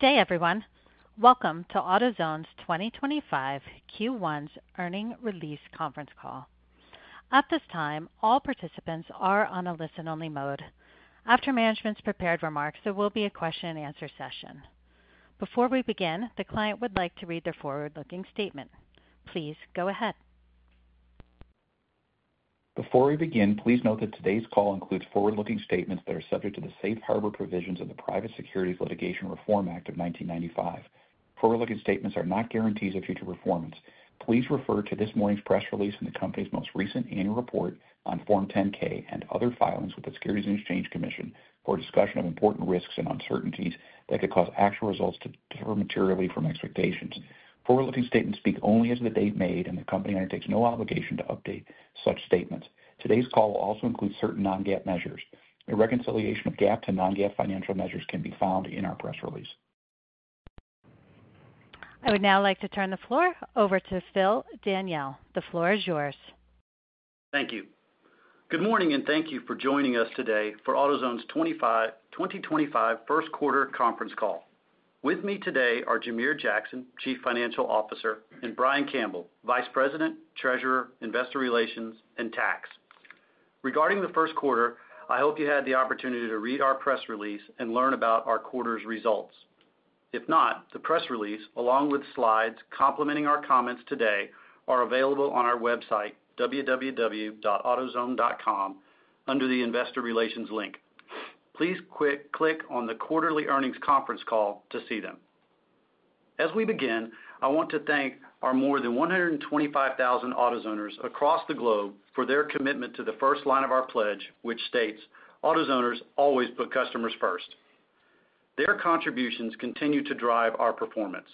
Good day, everyone. Welcome to AutoZone's 2025 Q1 earnings release conference call. At this time, all participants are on a listen-only mode. After management's prepared remarks, there will be a question-and-answer session. Before we begin, the client would like to read their forward-looking statement. Please go ahead. Before we begin, please note that today's call includes forward-looking statements that are subject to the Safe Harbor Provisions of the Private Securities Litigation Reform Act of 1995. Forward-looking statements are not guarantees of future performance. Please refer to this morning's press release and the company's most recent annual report on Form 10-K and other filings with the Securities and Exchange Commission for discussion of important risks and uncertainties that could cause actual results to differ materially from expectations. Forward-looking statements speak only as of the date made, and the company undertakes no obligation to update such statements. Today's call will also include certain Non-GAAP measures. A reconciliation of GAAP to Non-GAAP financial measures can be found in our press release. I would now like to turn the floor over to Phil Daniele. The floor is yours. Thank you. Good morning, and thank you for joining us today for AutoZone's 2025 first-quarter conference call. With me today are Jamere Jackson, Chief Financial Officer, and Brian Campbell, Vice President, Treasurer, Investor Relations, and Tax. Regarding the first quarter, I hope you had the opportunity to read our press release and learn about our quarter's results. If not, the press release, along with slides complementing our comments today, are available on our website, www.autozone.com, under the Investor Relations link. Please click on the quarterly earnings conference call to see them. As we begin, I want to thank our more than 125,000 AutoZoners across the globe for their commitment to the first line of our pledge, which states, "AutoZoners always put customers first." Their contributions continue to drive our performance.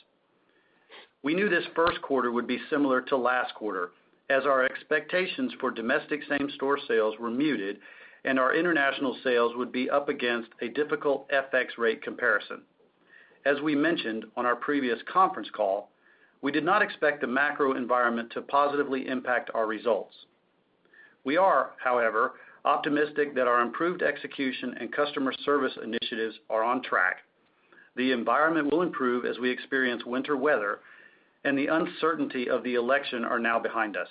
We knew this first quarter would be similar to last quarter, as our expectations for domestic same-store sales were muted, and our international sales would be up against a difficult FX rate comparison. As we mentioned on our previous conference call, we did not expect the macro environment to positively impact our results. We are, however, optimistic that our improved execution and customer service initiatives are on track. The environment will improve as we experience winter weather, and the uncertainty of the election is now behind us.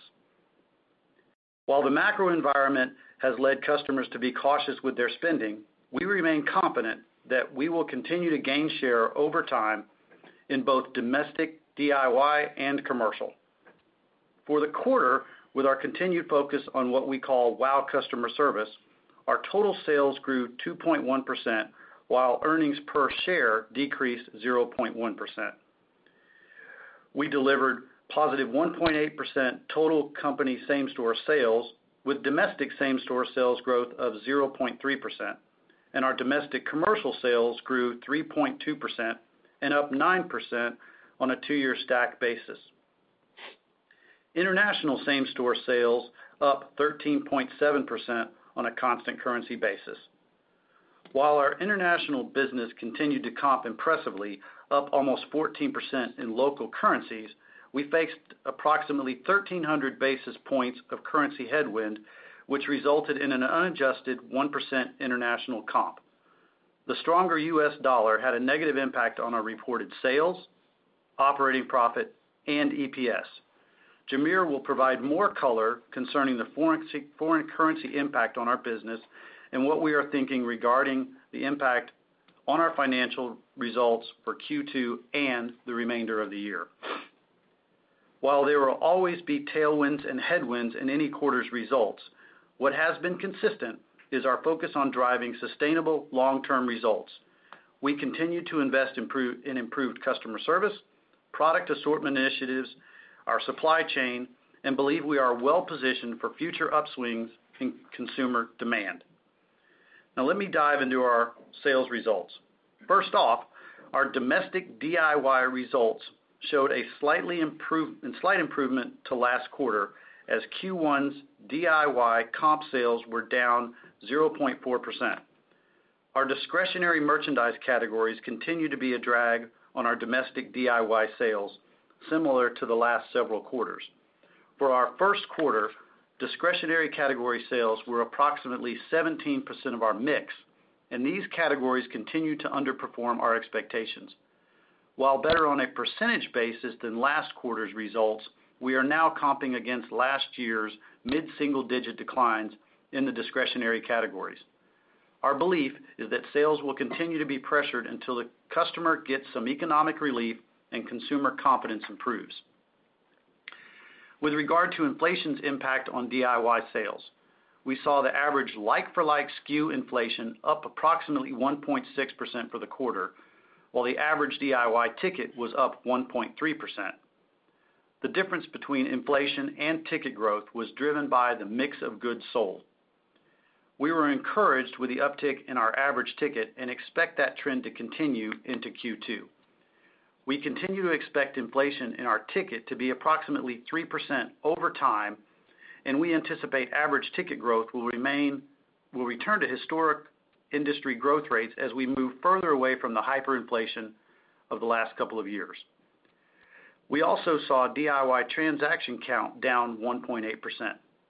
While the macro environment has led customers to be cautious with their spending, we remain confident that we will continue to gain share over time in both domestic DIY and commercial. For the quarter, with our continued focus on what we call "WOW! Customer Service," our total sales grew 2.1%, while earnings per share decreased 0.1%. We delivered +1.8% total company same-store sales, with domestic same-store sales growth of 0.3%, and our domestic commercial sales grew 3.2% and up 9% on a two-year stack basis. International same-store sales up 13.7% on a constant currency basis. While our international business continued to comp impressively, up almost 14% in local currencies, we faced approximately 1,300 basis points of currency headwind, which resulted in an unadjusted 1% international comp. The stronger U.S. dollar had a negative impact on our reported sales, operating profit, and EPS. Jamere will provide more color concerning the foreign currency impact on our business and what we are thinking regarding the impact on our financial results for Q2 and the remainder of the year. While there will always be tailwinds and headwinds in any quarter's results, what has been consistent is our focus on driving sustainable long-term results. We continue to invest in improved customer service, product assortment initiatives, our supply chain, and believe we are well-positioned for future upswings in consumer demand. Now, let me dive into our sales results. First off, our domestic DIY results showed a slight improvement to last quarter, as Q1's DIY comp sales were down 0.4%. Our discretionary merchandise categories continue to be a drag on our domestic DIY sales, similar to the last several quarters. For our first quarter, discretionary category sales were approximately 17% of our mix, and these categories continue to underperform our expectations. While better on a percentage basis than last quarter's results, we are now comping against last year's mid-single-digit declines in the discretionary categories. Our belief is that sales will continue to be pressured until the customer gets some economic relief and consumer confidence improves. With regard to inflation's impact on DIY sales, we saw the average like-for-like SKU inflation up approximately 1.6% for the quarter, while the average DIY ticket was up 1.3%. The difference between inflation and ticket growth was driven by the mix of goods sold. We were encouraged with the uptick in our average ticket and expect that trend to continue into Q2. We continue to expect inflation in our ticket to be approximately 3% over time, and we anticipate average ticket growth will return to historic industry growth rates as we move further away from the hyperinflation of the last couple of years. We also saw DIY transaction count down 1.8%.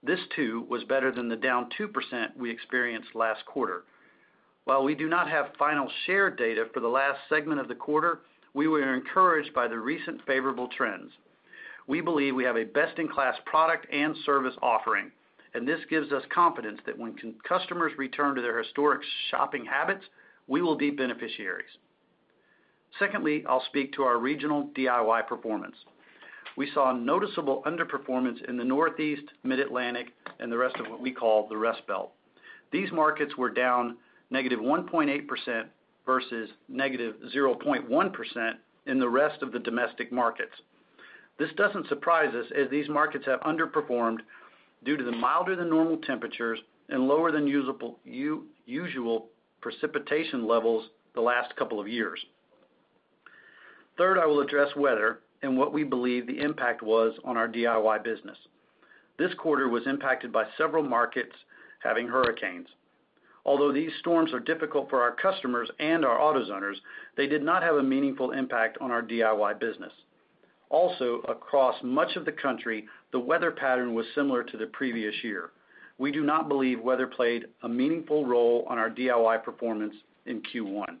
This, too, was better than the down 2% we experienced last quarter. While we do not have final share data for the last segment of the quarter, we were encouraged by the recent favorable trends. We believe we have a best-in-class product and service offering, and this gives us confidence that when customers return to their historic shopping habits, we will be beneficiaries. Secondly, I'll speak to our regional DIY performance. We saw noticeable underperformance in the Northeast, Mid-Atlantic, and the rest of what we call the Rust Belt. These markets were down -1.8% versus -0.1% in the rest of the domestic markets. This doesn't surprise us, as these markets have underperformed due to the milder-than-normal temperatures and lower-than-usual precipitation levels the last couple of years. Third, I will address weather and what we believe the impact was on our DIY business. This quarter was impacted by several markets having hurricanes. Although these storms are difficult for our customers and our AutoZoners, they did not have a meaningful impact on our DIY business. Also, across much of the country, the weather pattern was similar to the previous year. We do not believe weather played a meaningful role on our DIY performance in Q1.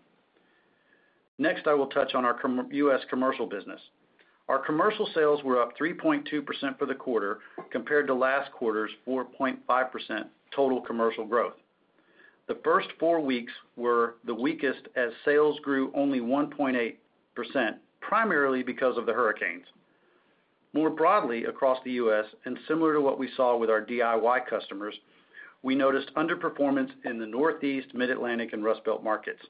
Next, I will touch on our U.S. commercial business. Our commercial sales were up 3.2% for the quarter compared to last quarter's 4.5% total commercial growth. The first four weeks were the weakest, as sales grew only 1.8%, primarily because of the hurricanes. More broadly, across the U.S., and similar to what we saw with our DIY customers, we noticed underperformance in the Northeast, Mid-Atlantic, and Rust Belt markets.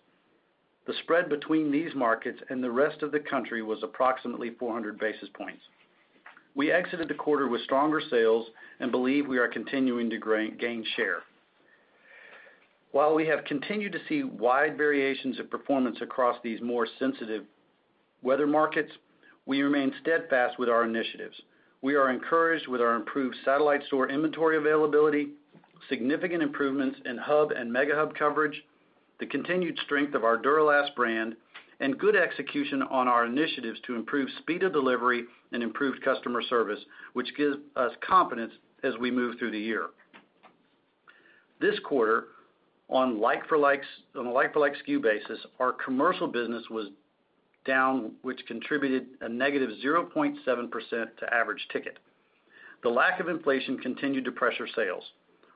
The spread between these markets and the rest of the country was approximately 400 basis points. We exited the quarter with stronger sales and believe we are continuing to gain share. While we have continued to see wide variations of performance across these more sensitive weather markets, we remain steadfast with our initiatives. We are encouraged with our improved satellite store inventory availability, significant improvements in hub and Mega Hub coverage, the continued strength of our Duralast brand, and good execution on our initiatives to improve speed of delivery and improved customer service, which gives us confidence as we move through the year. This quarter, on a like-for-like SKU basis, our commercial business was down, which contributed a -0.7% to average ticket. The lack of inflation continued to pressure sales.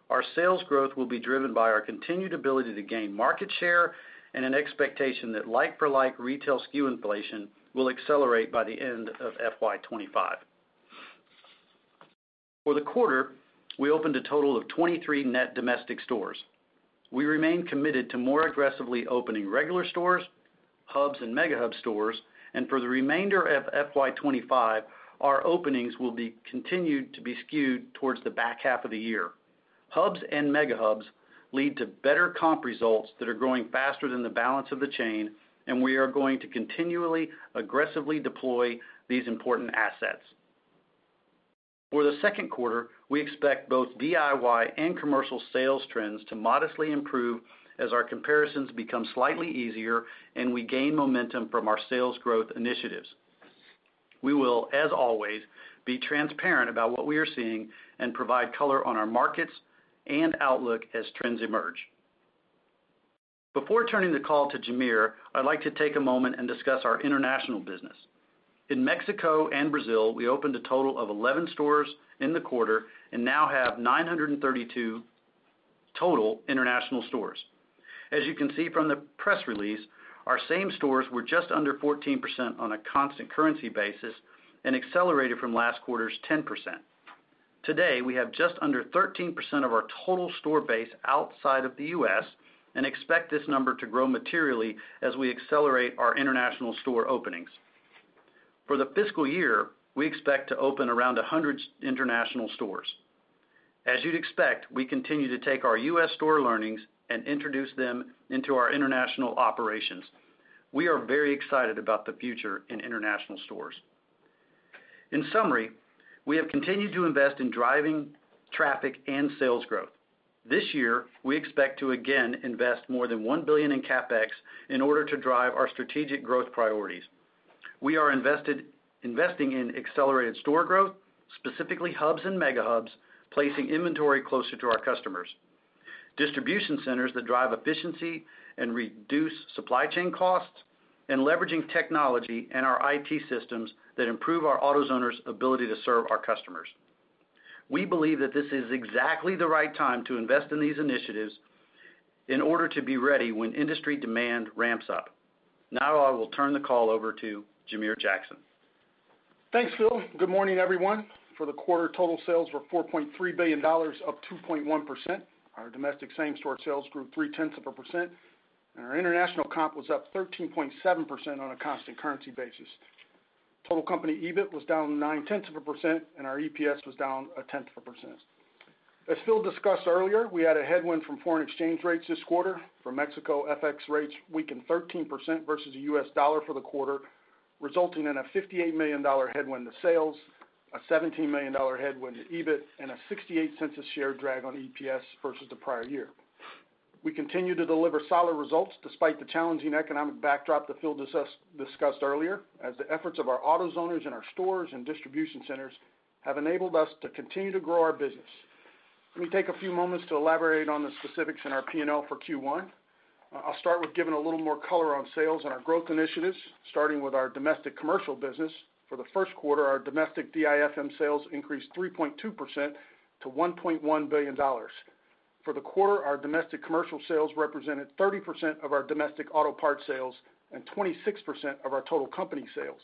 Our sales growth will be driven by our continued ability to gain market share and an expectation that like-for-like retail SKU inflation will accelerate by the end of FY25. For the quarter, we opened a total of 23 net domestic stores. We remain committed to more aggressively opening regular stores, hubs, and Mega Hub stores, and for the remainder of FY25, our openings will continue to be skewed towards the back half of the year. Hubs and Mega Hubs lead to better comp results that are growing faster than the balance of the chain, and we are going to continually aggressively deploy these important assets. For the second quarter, we expect both DIY and commercial sales trends to modestly improve as our comparisons become slightly easier and we gain momentum from our sales growth initiatives. We will, as always, be transparent about what we are seeing and provide color on our markets and outlook as trends emerge. Before turning the call to Jamere, I'd like to take a moment and discuss our international business. In Mexico and Brazil, we opened a total of 11 stores in the quarter and now have 932 total international stores. As you can see from the press release, our same stores were just under 14% on a constant currency basis and accelerated from last quarter's 10%. Today, we have just under 13% of our total store base outside of the U.S. and expect this number to grow materially as we accelerate our international store openings. For the fiscal year, we expect to open around 100 international stores. As you'd expect, we continue to take our U.S. store learnings and introduce them into our international operations. We are very excited about the future in international stores. In summary, we have continued to invest in driving traffic and sales growth. This year, we expect to again invest more than $1 billion in CapEx in order to drive our strategic growth priorities. We are investing in accelerated store growth, specifically hubs and Mega Hubs, placing inventory closer to our customers, distribution centers that drive efficiency and reduce supply chain costs, and leveraging technology and our IT systems that improve our AutoZoners' ability to serve our customers. We believe that this is exactly the right time to invest in these initiatives in order to be ready when industry demand ramps up. Now, I will turn the call over to Jamere Jackson. Thanks, Phil. Good morning, everyone. For the quarter, total sales were $4.3 billion, up 2.1%. Our domestic same-store sales grew 0.3%, and our international comp was up 13.7% on a constant currency basis. Total company EBIT was down 0.9%, and our EPS was down 0.1%. As Phil discussed earlier, we had a headwind from foreign exchange rates this quarter. For Mexico, FX rates weakened 13% versus the U.S. dollar for the quarter, resulting in a $58 million headwind to sales, a $17 million headwind to EBIT, and a $0.68 share drag on EPS versus the prior year. We continue to deliver solid results despite the challenging economic backdrop that Phil discussed earlier, as the efforts of our AutoZoners and our stores and distribution centers have enabled us to continue to grow our business. Let me take a few moments to elaborate on the specifics in our P&L for Q1. I'll start with giving a little more color on sales and our growth initiatives, starting with our domestic commercial business. For the first quarter, our domestic DIFM sales increased 3.2% to $1.1 billion. For the quarter, our domestic commercial sales represented 30% of our domestic auto parts sales and 26% of our total company sales.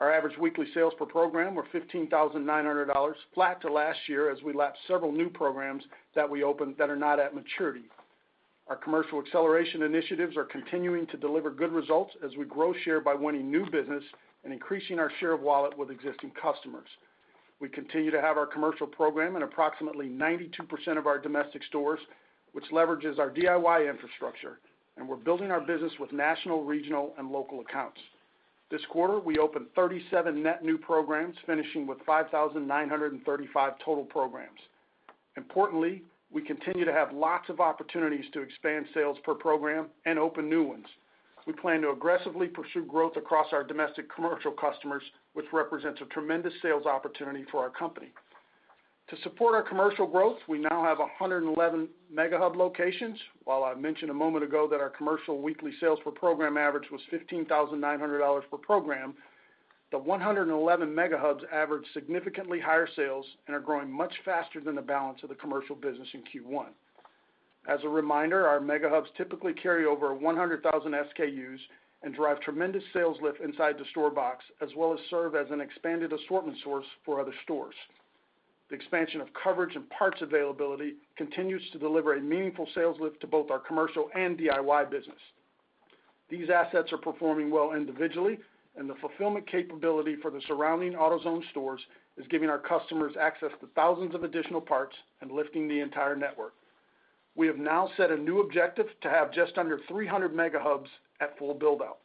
Our average weekly sales per program were $15,900, flat to last year as we lapped several new programs that we opened that are not at maturity. Our commercial acceleration initiatives are continuing to deliver good results as we grow share by winning new business and increasing our share of wallet with existing customers. We continue to have our commercial program in approximately 92% of our domestic stores, which leverages our DIY infrastructure, and we're building our business with national, regional, and local accounts. This quarter, we opened 37 net new programs, finishing with 5,935 total programs. Importantly, we continue to have lots of opportunities to expand sales per program and open new ones. We plan to aggressively pursue growth across our domestic commercial customers, which represents a tremendous sales opportunity for our company. To support our commercial growth, we now have 111 Mega Hub locations. While I mentioned a moment ago that our commercial weekly sales per program average was $15,900 per program, the 111 Mega Hubs average significantly higher sales and are growing much faster than the balance of the commercial business in Q1. As a reminder, our Mega Hubs typically carry over 100,000 SKUs and drive tremendous sales lift inside the store box, as well as serve as an expanded assortment source for other stores. The expansion of coverage and parts availability continues to deliver a meaningful sales lift to both our commercial and DIY business. These assets are performing well individually, and the fulfillment capability for the surrounding AutoZone stores is giving our customers access to thousands of additional parts and lifting the entire network. We have now set a new objective to have just under 300 Mega Hubs at full build-out.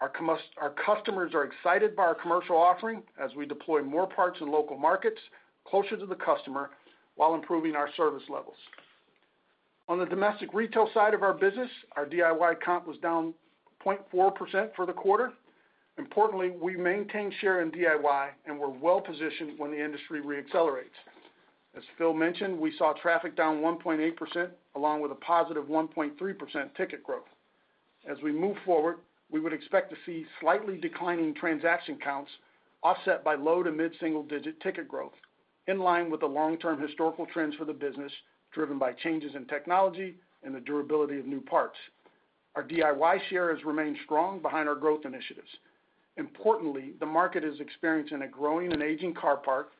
Our customers are excited by our commercial offering as we deploy more parts in local markets closer to the customer while improving our service levels. On the domestic retail side of our business, our DIY comp was down 0.4% for the quarter. Importantly, we maintain share in DIY and we're well positioned when the industry reaccelerates. As Phil mentioned, we saw traffic down 1.8% along with a +1.3% ticket growth. As we move forward, we would expect to see slightly declining transaction counts offset by low to mid-single-digit ticket growth, in line with the long-term historical trends for the business driven by changes in technology and the durability of new parts. Our DIY share has remained strong behind our growth initiatives. Importantly, the market is experiencing a growing and aging car park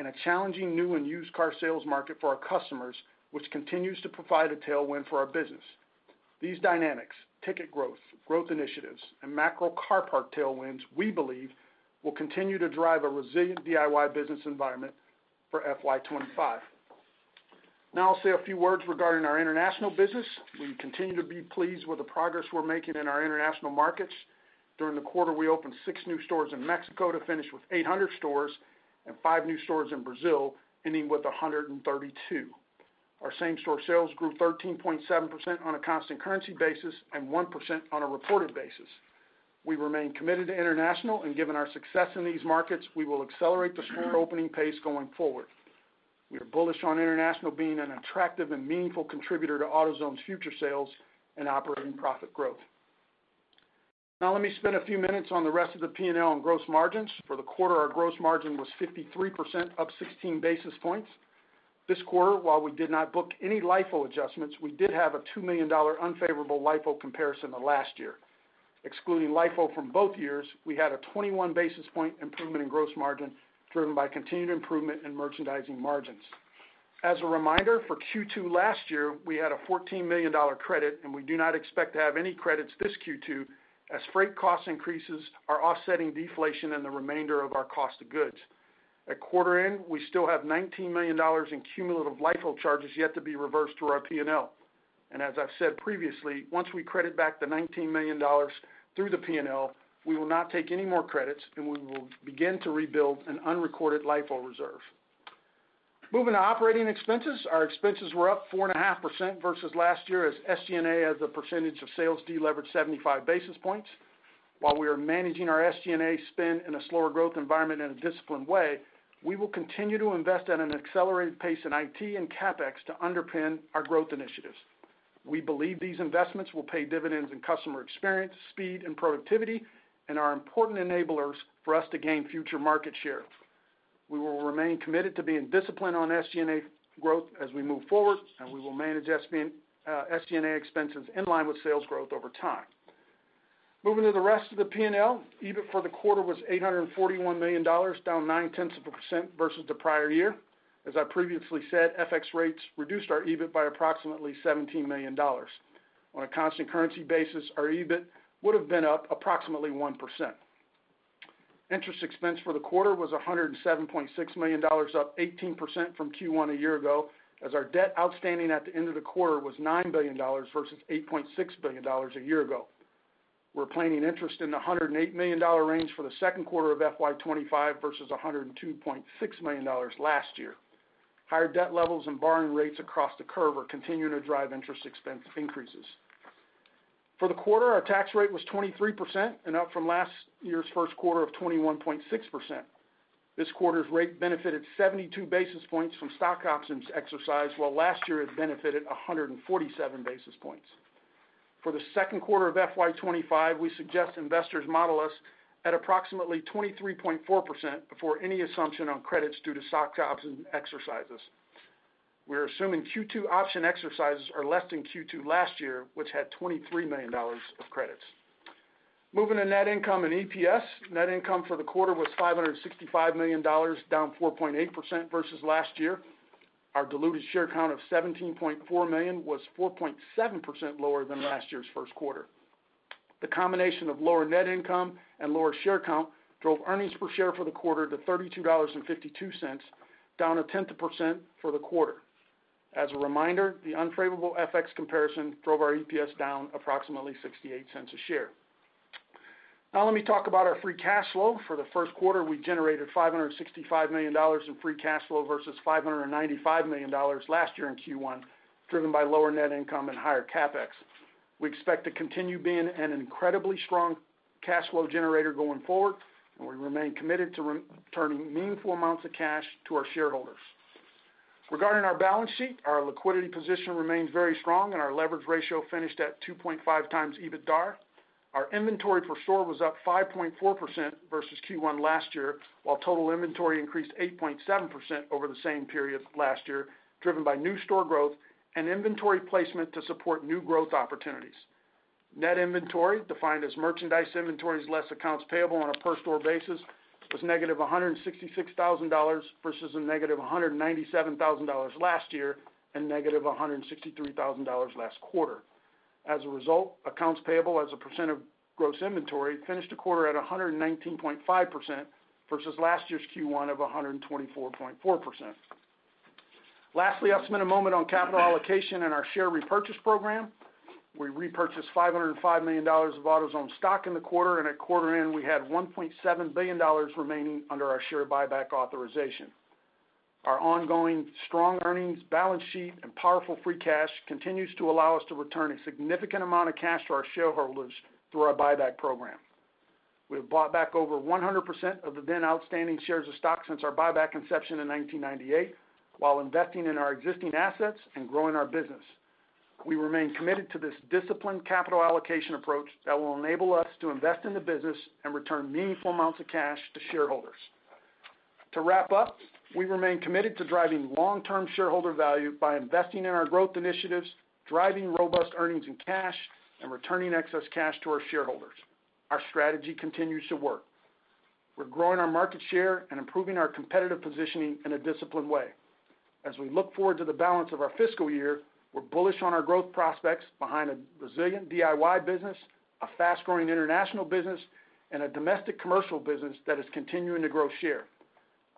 and a challenging new and used car sales market for our customers, which continues to provide a tailwind for our business. These dynamics, ticket growth, growth initiatives, and macro car park tailwinds, we believe, will continue to drive a resilient DIY business environment for FY25. Now, I'll say a few words regarding our international business. We continue to be pleased with the progress we're making in our international markets. During the quarter, we opened six new stores in Mexico to finish with 800 stores and five new stores in Brazil, ending with 132. Our same-store sales grew 13.7% on a constant currency basis and 1% on a reported basis. We remain committed to international, and given our success in these markets, we will accelerate the store opening pace going forward. We are bullish on international being an attractive and meaningful contributor to AutoZone's future sales and operating profit growth. Now, let me spend a few minutes on the rest of the P&L and gross margins. For the quarter, our gross margin was 53%, up 16 basis points. This quarter, while we did not book any LIFO adjustments, we did have a $2 million unfavorable LIFO comparison to last year. Excluding LIFO from both years, we had a 21 basis point improvement in gross margin driven by continued improvement in merchandising margins. As a reminder, for Q2 last year, we had a $14 million credit, and we do not expect to have any credits this Q2 as freight cost increases are offsetting deflation in the remainder of our cost of goods. At quarter end, we still have $19 million in cumulative LIFO charges yet to be reversed through our P&L. As I've said previously, once we credit back the $19 million through the P&L, we will not take any more credits, and we will begin to rebuild an unrecorded LIFO reserve. Moving to operating expenses, our expenses were up 4.5% versus last year as SG&A has a percentage of sales deleveraged 75 basis points. While we are managing our SG&A spend in a slower growth environment in a disciplined way, we will continue to invest at an accelerated pace in IT and CapEx to underpin our growth initiatives. We believe these investments will pay dividends in customer experience, speed, and productivity, and are important enablers for us to gain future market share. We will remain committed to being disciplined on SG&A growth as we move forward, and we will manage SG&A expenses in line with sales growth over time. Moving to the rest of the P&L, EBIT for the quarter was $841 million, down 0.9% versus the prior year. As I previously said, FX rates reduced our EBIT by approximately $17 million. On a constant currency basis, our EBIT would have been up approximately 1%. Interest expense for the quarter was $107.6 million, up 18% from Q1 a year ago, as our debt outstanding at the end of the quarter was $9 billion versus $8.6 billion a year ago. We're planning interest in the $108 million range for the second quarter of FY25 versus $102.6 million last year. Higher debt levels and borrowing rates across the curve are continuing to drive interest expense increases. For the quarter, our tax rate was 23% and up from last year's first quarter of 21.6%. This quarter's rate benefited 72 basis points from stock options exercised, while last year it benefited 147 basis points. For the second quarter of FY25, we suggest investors model us at approximately 23.4% before any assumption on credits due to stock option exercises. We are assuming Q2 option exercises are less than Q2 last year, which had $23 million of credits. Moving to net income and EPS, net income for the quarter was $565 million, down 4.8% versus last year. Our diluted share count of 17.4 million was 4.7% lower than last year's first quarter. The combination of lower net income and lower share count drove earnings per share for the quarter to $32.52, down 0.1% for the quarter. As a reminder, the unfavorable FX comparison drove our EPS down approximately $0.68 a share. Now, let me talk about our free cash flow. For the first quarter, we generated $565 million in free cash flow versus $595 million last year in Q1, driven by lower net income and higher CapEx. We expect to continue being an incredibly strong cash flow generator going forward, and we remain committed to returning meaningful amounts of cash to our shareholders. Regarding our balance sheet, our liquidity position remains very strong, and our leverage ratio finished at 2.5 times EBITDA. Our inventory per store was up 5.4% versus Q1 last year, while total inventory increased 8.7% over the same period last year, driven by new store growth and inventory placement to support new growth opportunities. Net inventory, defined as merchandise inventories less accounts payable on a per-store basis, was -$166,000 versus a -$197,000 last year and -$163,000 last quarter. As a result, accounts payable as a % of gross inventory finished the quarter at 119.5% versus last year's Q1 of 124.4%. Lastly, I'll spend a moment on capital allocation and our share repurchase program. We repurchased $505 million of AutoZone stock in the quarter, and at quarter end, we had $1.7 billion remaining under our share buyback authorization. Our ongoing strong earnings, balance sheet, and powerful free cash continue to allow us to return a significant amount of cash to our shareholders through our buyback program. We have bought back over 100% of the then outstanding shares of stock since our buyback inception in 1998, while investing in our existing assets and growing our business. We remain committed to this disciplined capital allocation approach that will enable us to invest in the business and return meaningful amounts of cash to shareholders. To wrap up, we remain committed to driving long-term shareholder value by investing in our growth initiatives, driving robust earnings in cash, and returning excess cash to our shareholders. Our strategy continues to work. We're growing our market share and improving our competitive positioning in a disciplined way. As we look forward to the balance of our fiscal year, we're bullish on our growth prospects behind a resilient DIY business, a fast-growing international business, and a domestic commercial business that is continuing to grow share.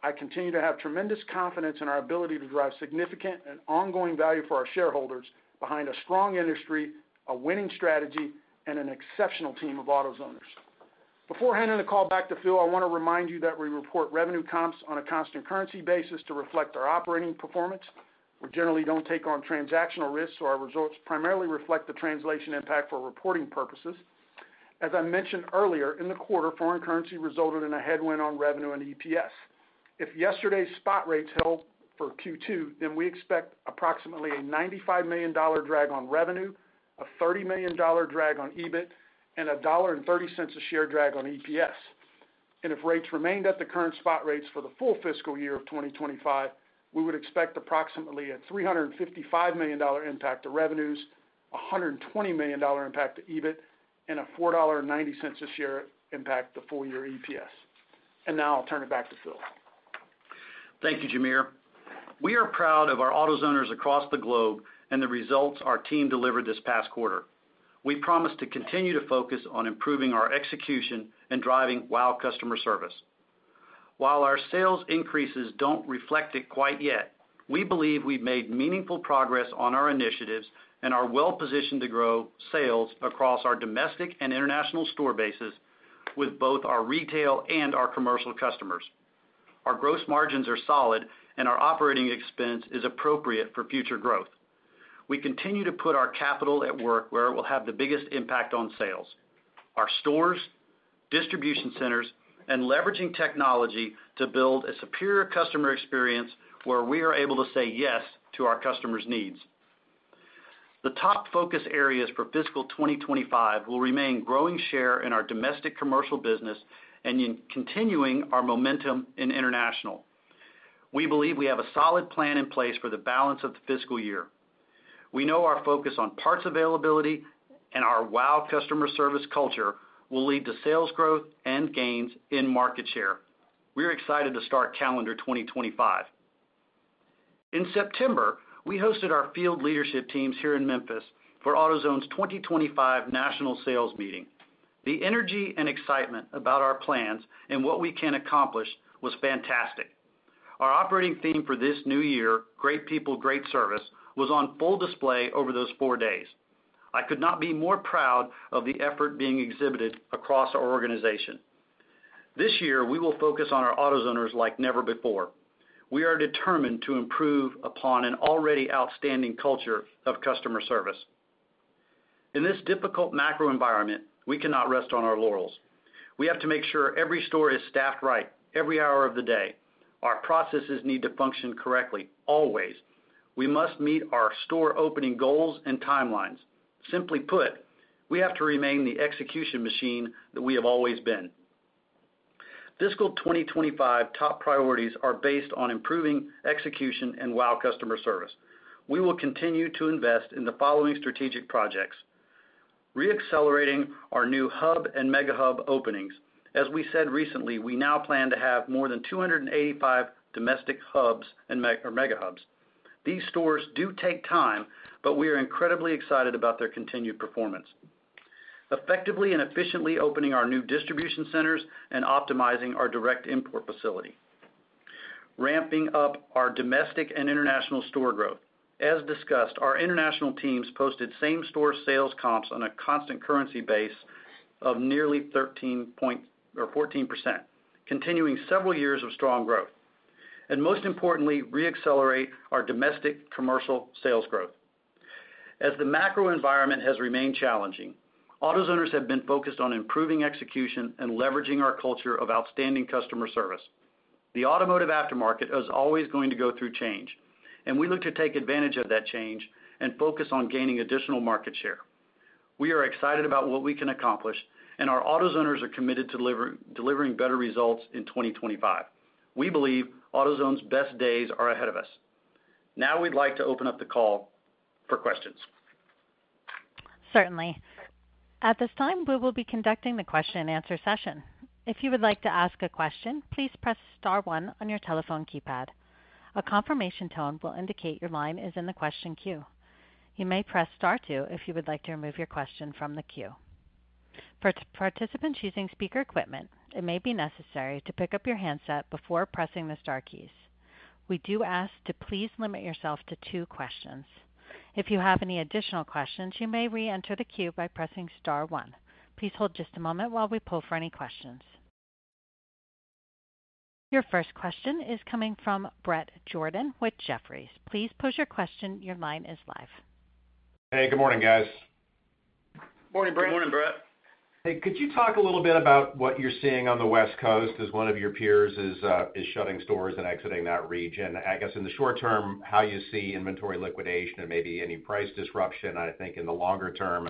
I continue to have tremendous confidence in our ability to drive significant and ongoing value for our shareholders behind a strong industry, a winning strategy, and an exceptional team of AutoZoners. Before handing the call back to Phil, I want to remind you that we report revenue comps on a constant currency basis to reflect our operating performance. We generally don't take on transactional risks, so our results primarily reflect the translation impact for reporting purposes. As I mentioned earlier, in the quarter, foreign currency resulted in a headwind on revenue and EPS. If yesterday's spot rates held for Q2, then we expect approximately a $95 million drag on revenue, a $30 million drag on EBIT, and a $1.30 a share drag on EPS. And if rates remained at the current spot rates for the full fiscal year of 2025, we would expect approximately a $355 million impact to revenues, a $120 million impact to EBIT, and a $4.90 a share impact to full-year EPS. And now I'll turn it back to Phil. Thank you, Jamere. We are proud of our AutoZoners across the globe and the results our team delivered this past quarter. We promise to continue to focus on improving our execution and driving world-class customer service. While our sales increases don't reflect it quite yet, we believe we've made meaningful progress on our initiatives and are well positioned to grow sales across our domestic and international store bases with both our retail and our commercial customers. Our gross margins are solid, and our operating expense is appropriate for future growth. We continue to put our capital at work where it will have the biggest impact on sales: our stores, distribution centers, and leveraging technology to build a superior customer experience where we are able to say yes to our customers' needs. The top focus areas for fiscal 2025 will remain growing share in our domestic commercial business and continuing our momentum in international. We believe we have a solid plan in place for the balance of the fiscal year. We know our focus on parts availability and our WOW! Customer Service culture will lead to sales growth and gains in market share. We are excited to start calendar 2025. In September, we hosted our field leadership teams here in Memphis for AutoZone's 2025 National Sales Meeting. The energy and excitement about our plans and what we can accomplish was fantastic. Our operating theme for this new year, "Great people, great service," was on full display over those four days. I could not be more proud of the effort being exhibited across our organization. This year, we will focus on our AutoZoners like never before. We are determined to improve upon an already outstanding culture of customer service. In this difficult macro environment, we cannot rest on our laurels. We have to make sure every store is staffed right every hour of the day. Our processes need to function correctly, always. We must meet our store opening goals and timelines. Simply put, we have to remain the execution machine that we have always been. Fiscal 2025 top priorities are based on improving execution and world-class customer service. We will continue to invest in the following strategic projects: re-accelerating our new hub and Mega Hub openings. As we said recently, we now plan to have more than 285 domestic hubs and Mega Hubs. These stores do take time, but we are incredibly excited about their continued performance, effectively and efficiently opening our new distribution centers and optimizing our direct import facility, ramping up our domestic and international store growth. As discussed, our international teams posted same-store sales comps on a constant currency basis of nearly 13.14%, continuing several years of strong growth, and most importantly, re-accelerate our domestic commercial sales growth. As the macro environment has remained challenging, AutoZoners have been focused on improving execution and leveraging our culture of outstanding customer service. The automotive aftermarket is always going to go through change, and we look to take advantage of that change and focus on gaining additional market share. We are excited about what we can accomplish, and our AutoZoners are committed to delivering better results in 2025. We believe AutoZone's best days are ahead of us. Now we'd like to open up the call for questions. Certainly. At this time, we will be conducting the question-and-answer session. If you would like to ask a question, please press Star 1 on your telephone keypad. A confirmation tone will indicate your line is in the question queue. You may press Star 2 if you would like to remove your question from the queue. For participants using speaker equipment, it may be necessary to pick up your handset before pressing the star keys. We do ask to please limit yourself to two questions. If you have any additional questions, you may re-enter the queue by pressing Star 1. Please hold just a moment while we poll for any questions. Your first question is coming from Bret Jordan with Jefferies. Please proceed with your question. Your line is live. Hey, good morning, guys. Morning, Brett. Good morning, Brett. Hey, could you talk a little bit about what you're seeing on the West Coast as one of your peers is shutting stores and exiting that region? I guess in the short term, how you see inventory liquidation and maybe any price disruption. I think in the longer term,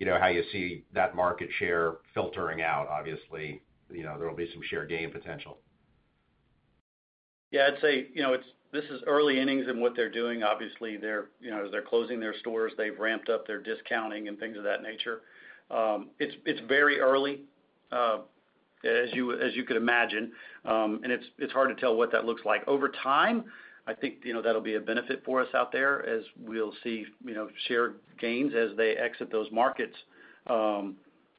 how you see that market share filtering out, obviously, there will be some share gain potential. Yeah, I'd say this is early innings in what they're doing. Obviously, as they're closing their stores, they've ramped up their discounting and things of that nature. It's very early, as you could imagine, and it's hard to tell what that looks like. Over time, I think that'll be a benefit for us out there as we'll see share gains as they exit those markets.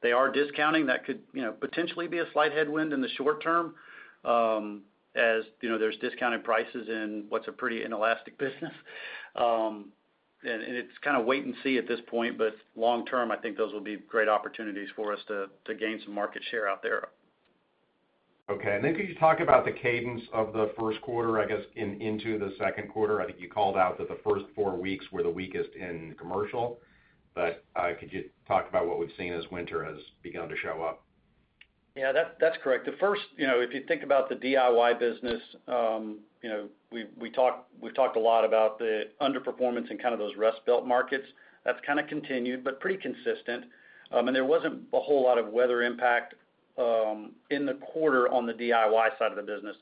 They are discounting. That could potentially be a slight headwind in the short term as there's discounted prices in what's a pretty inelastic business. And it's kind of wait and see at this point, but long term, I think those will be great opportunities for us to gain some market share out there. Okay. And then could you talk about the cadence of the first quarter, I guess, into the second quarter? I think you called out that the first four weeks were the weakest in commercial, but could you talk about what we've seen as winter has begun to show up? Yeah, that's correct. The first, if you think about the DIY business, we've talked a lot about the underperformance and kind of those Rust Belt markets. That's kind of continued, but pretty consistent. And there wasn't a whole lot of weather impact in the quarter on the DIY side of the business.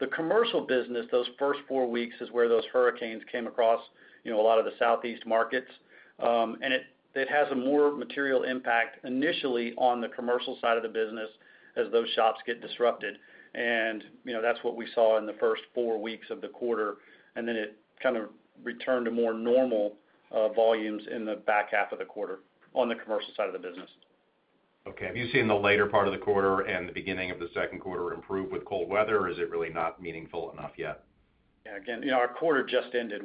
The commercial business, those first four weeks is where those hurricanes came across a lot of the Southeast markets. And it has a more material impact initially on the commercial side of the business as those shops get disrupted. And that's what we saw in the first four weeks of the quarter. And then it kind of returned to more normal volumes in the back half of the quarter on the commercial side of the business. Okay. Have you seen the later part of the quarter and the beginning of the second quarter improve with cold weather, or is it really not meaningful enough yet? Yeah, again, our quarter just ended.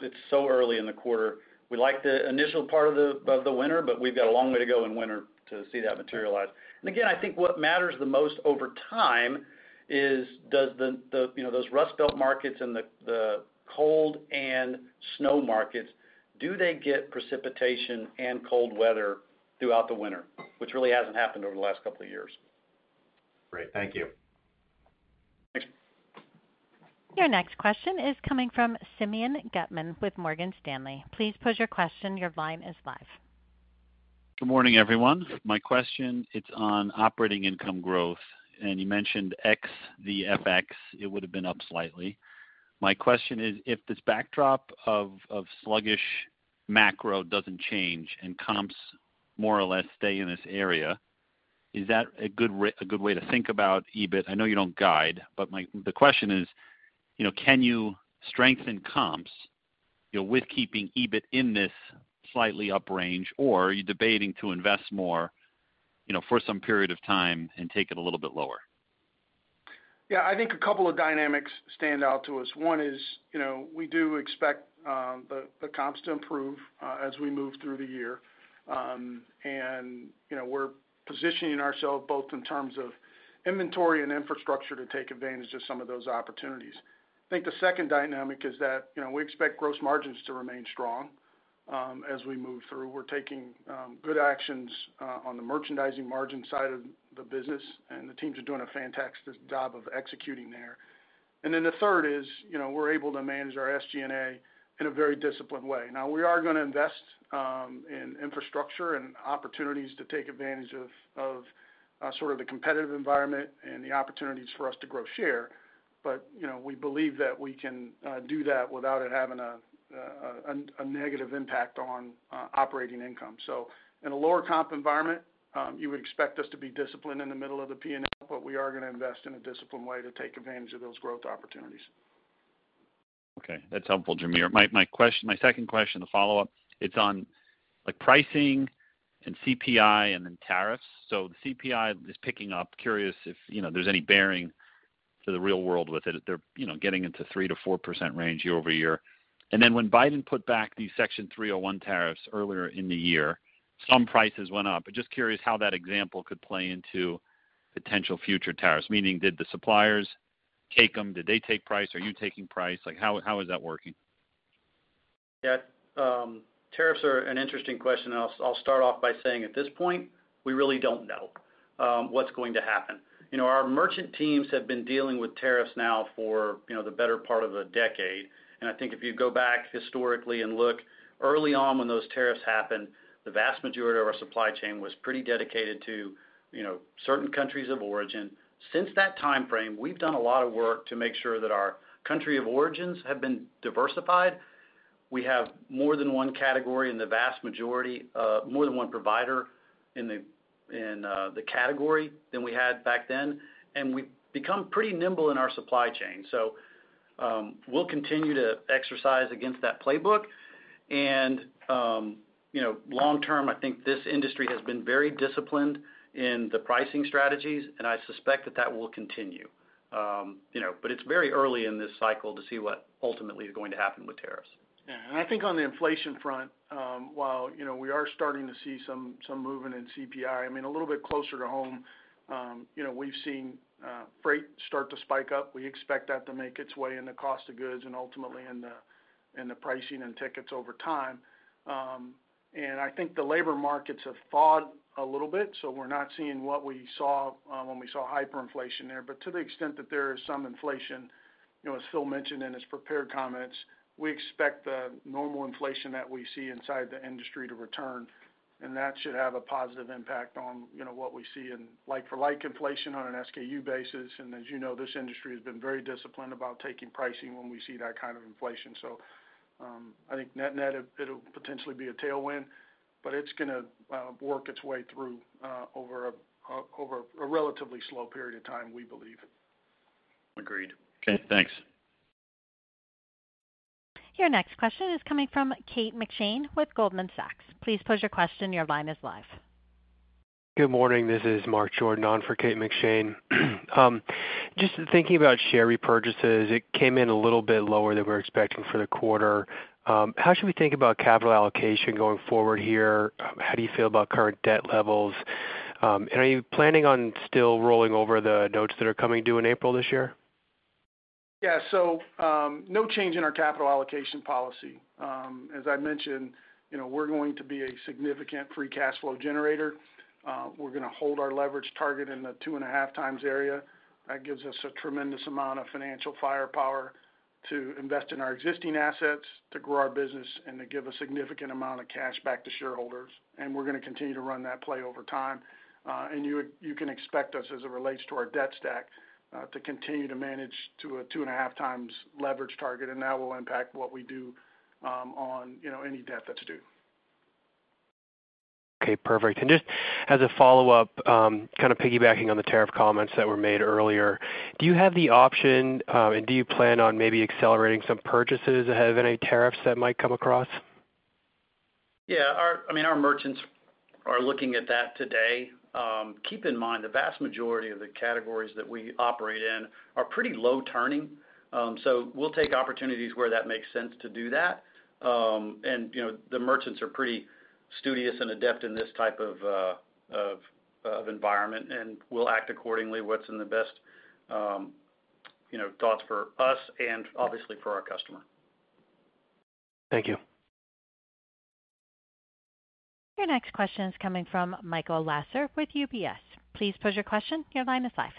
It's so early in the quarter. We like the initial part of the winter, but we've got a long way to go in winter to see that materialize. And again, I think what matters the most over time is does those Rust Belt markets and the cold and snow markets, do they get precipitation and cold weather throughout the winter, which really hasn't happened over the last couple of years? Great. Thank you. Thanks. Your next question is coming from Simeon Gutman with Morgan Stanley. Please state your question. Your line is live. Good morning, everyone. My question, it's on operating income growth. And you mentioned ex the FX, it would have been up slightly. My question is, if this backdrop of sluggish macro doesn't change and comps more or less stay in this area, is that a good way to think about EBIT? I know you don't guide, but the question is, can you strengthen comps with keeping EBIT in this slightly up range, or are you debating to invest more for some period of time and take it a little bit lower? Yeah, I think a couple of dynamics stand out to us. One is we do expect the comps to improve as we move through the year. And we're positioning ourselves both in terms of inventory and infrastructure to take advantage of some of those opportunities. I think the second dynamic is that we expect gross margins to remain strong as we move through. We're taking good actions on the merchandising margin side of the business, and the teams are doing a fantastic job of executing there. And then the third is we're able to manage our SG&A in a very disciplined way. Now, we are going to invest in infrastructure and opportunities to take advantage of sort of the competitive environment and the opportunities for us to grow share. But we believe that we can do that without it having a negative impact on operating income. So in a lower comp environment, you would expect us to be disciplined in the middle of the P&L, but we are going to invest in a disciplined way to take advantage of those growth opportunities. Okay. That's helpful, Jamere. My second question, the follow-up, it's on pricing and CPI and then tariffs. So the CPI is picking up. Curious if there's any bearing to the real world with it. They're getting into 3%-4% range year-over-year. And then when Biden put back these Section 301 tariffs earlier in the year, some prices went up. But just curious how that example could play into potential future tariffs. Meaning, did the suppliers take them? Did they take price? Are you taking price? How is that working? Yeah. Tariffs are an interesting question. I'll start off by saying at this point, we really don't know what's going to happen. Our merchant teams have been dealing with tariffs now for the better part of a decade. And I think if you go back historically and look early on when those tariffs happened, the vast majority of our supply chain was pretty dedicated to certain countries of origin. Since that time frame, we've done a lot of work to make sure that our country of origins have been diversified. We have more than one category in the vast majority, more than one provider in the category than we had back then. And we've become pretty nimble in our supply chain. So we'll continue to exercise against that playbook. And long term, I think this industry has been very disciplined in the pricing strategies, and I suspect that that will continue. But it's very early in this cycle to see what ultimately is going to happen with tariffs. Yeah. I think on the inflation front, while we are starting to see some movement in CPI, I mean, a little bit closer to home, we've seen freight start to spike up. We expect that to make its way in the cost of goods and ultimately in the pricing and tickets over time. I think the labor markets have thawed a little bit, so we're not seeing what we saw when we saw hyperinflation there. To the extent that there is some inflation, as Phil mentioned in his prepared comments, we expect the normal inflation that we see inside the industry to return. That should have a positive impact on what we see in like-for-like inflation on an SKU basis. As you know, this industry has been very disciplined about taking pricing when we see that kind of inflation. So I think net-net, it'll potentially be a tailwind, but it's going to work its way through over a relatively slow period of time, we believe. Agreed. Okay. Thanks. Your next question is coming from Kate McShane with Goldman Sachs. Please state your question. Your line is live. Good morning. This is Mark Jordan on for Kate McShane. Just thinking about share repurchases, it came in a little bit lower than we're expecting for the quarter. How should we think about capital allocation going forward here? How do you feel about current debt levels? And are you planning on still rolling over the notes that are coming due in April this year? Yeah. So no change in our capital allocation policy. As I mentioned, we're going to be a significant free cash flow generator. We're going to hold our leverage target in the two and a half times area. That gives us a tremendous amount of financial firepower to invest in our existing assets, to grow our business, and to give a significant amount of cash back to shareholders. And we're going to continue to run that play over time. And you can expect us, as it relates to our debt stack, to continue to manage to a two and a half times leverage target. And that will impact what we do on any debt that's due. Okay. Perfect. And just as a follow-up, kind of piggybacking on the tariff comments that were made earlier, do you have the option and do you plan on maybe accelerating some purchases ahead of any tariffs that might come across? Yeah. I mean, our merchants are looking at that today. Keep in mind, the vast majority of the categories that we operate in are pretty low turning. So we'll take opportunities where that makes sense to do that. And the merchants are pretty studious and adept in this type of environment, and we'll act accordingly what's in the best thoughts for us and obviously for our customer. Thank you. Your next question is coming from Michael Lassar with UBS. Please state your question. Your line is live.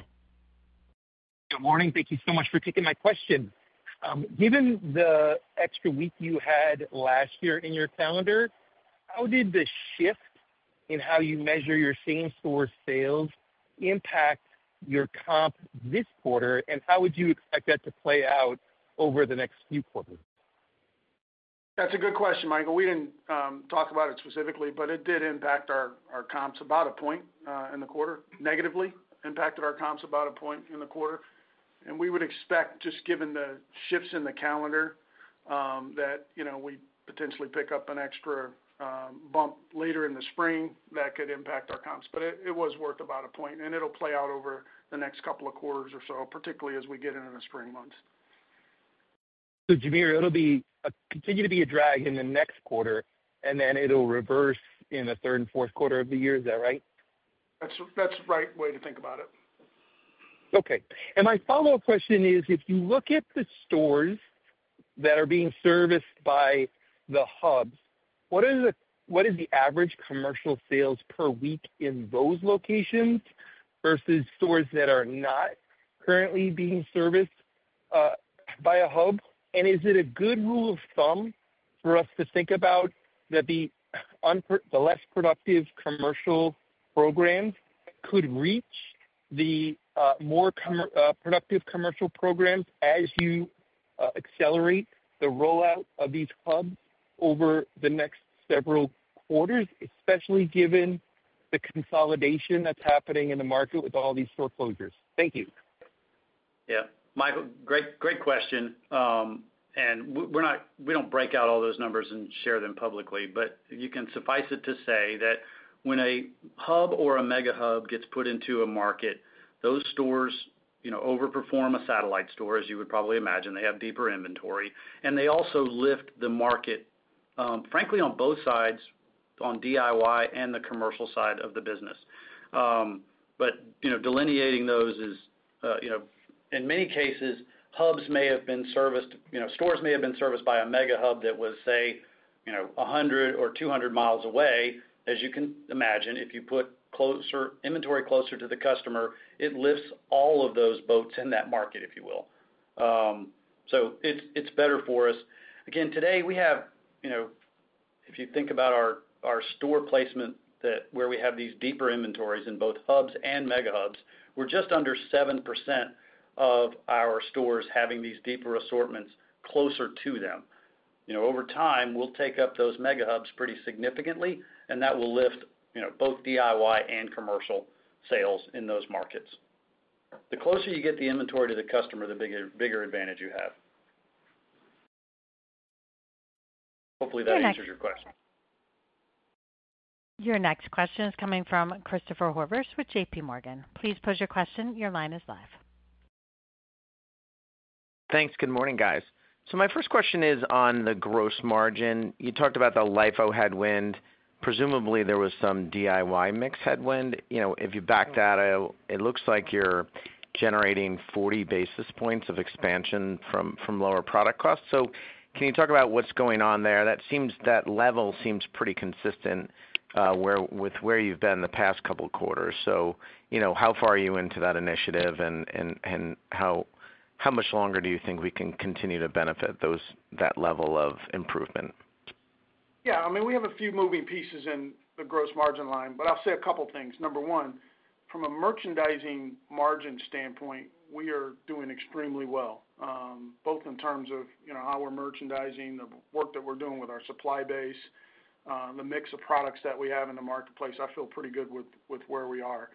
Good morning. Thank you so much for taking my question. Given the extra week you had last year in your calendar, how did the shift in how you measure your same-store sales impact your comp this quarter, and how would you expect that to play out over the next few quarters? That's a good question, Michael. We didn't talk about it specifically, but it did impact our comps about a point in the quarter, negatively impacted our comps about a point in the quarter. We would expect, just given the shifts in the calendar, that we potentially pick up an extra bump later in the spring that could impact our comps. But it was worth about a point, and it'll play out over the next couple of quarters or so, particularly as we get into the spring months. So Jamere, it'll continue to be a drag in the next quarter, and then it'll reverse in the third and fourth quarter of the year. Is that right? That's the right way to think about it. Okay. And my follow-up question is, if you look at the stores that are being serviced by the hubs, what is the average commercial sales per week in those locations versus stores that are not currently being serviced by a hub? Is it a good rule of thumb for us to think about that the less productive commercial programs could reach the more productive commercial programs as you accelerate the rollout of these hubs over the next several quarters, especially given the consolidation that's happening in the market with all these store closures? Thank you. Yeah. Michael, great question. We don't break out all those numbers and share them publicly, but you can suffice it to say that when a hub or a Mega Hub gets put into a market, those stores overperform a satellite store, as you would probably imagine. They have deeper inventory. They also lift the market, frankly, on both sides, on DIY and the commercial side of the business. Delineating those is, in many cases, hubs may have been serviced. Stores may have been serviced by a Mega Hub that was, say, 100 or 200 miles away. As you can imagine, if you put inventory closer to the customer, it lifts all of those boats in that market, if you will. So it's better for us. Again, today, we have, if you think about our store placement where we have these deeper inventories in both hubs and Mega Hubs, we're just under 7% of our stores having these deeper assortments closer to them. Over time, we'll take up those Mega Hubs pretty significantly, and that will lift both DIY and commercial sales in those markets. The closer you get the inventory to the customer, the bigger advantage you have. Hopefully, that answers your question. Your next question is coming from Christopher Horvers with JPMorgan. Please pose your question. Your line is live. Thanks. Good morning, guys. So my first question is on the gross margin. You talked about the LIFO headwind. Presumably, there was some DIY mix headwind. If you back that out, it looks like you're generating 40 basis points of expansion from lower product costs. So can you talk about what's going on there? That level seems pretty consistent with where you've been the past couple of quarters. So how far are you into that initiative, and how much longer do you think we can continue to benefit that level of improvement? Yeah. I mean, we have a few moving pieces in the gross margin line, but I'll say a couple of things. Number one, from a merchandising margin standpoint, we are doing extremely well, both in terms of how we're merchandising, the work that we're doing with our supply base, the mix of products that we have in the marketplace. I feel pretty good with where we are.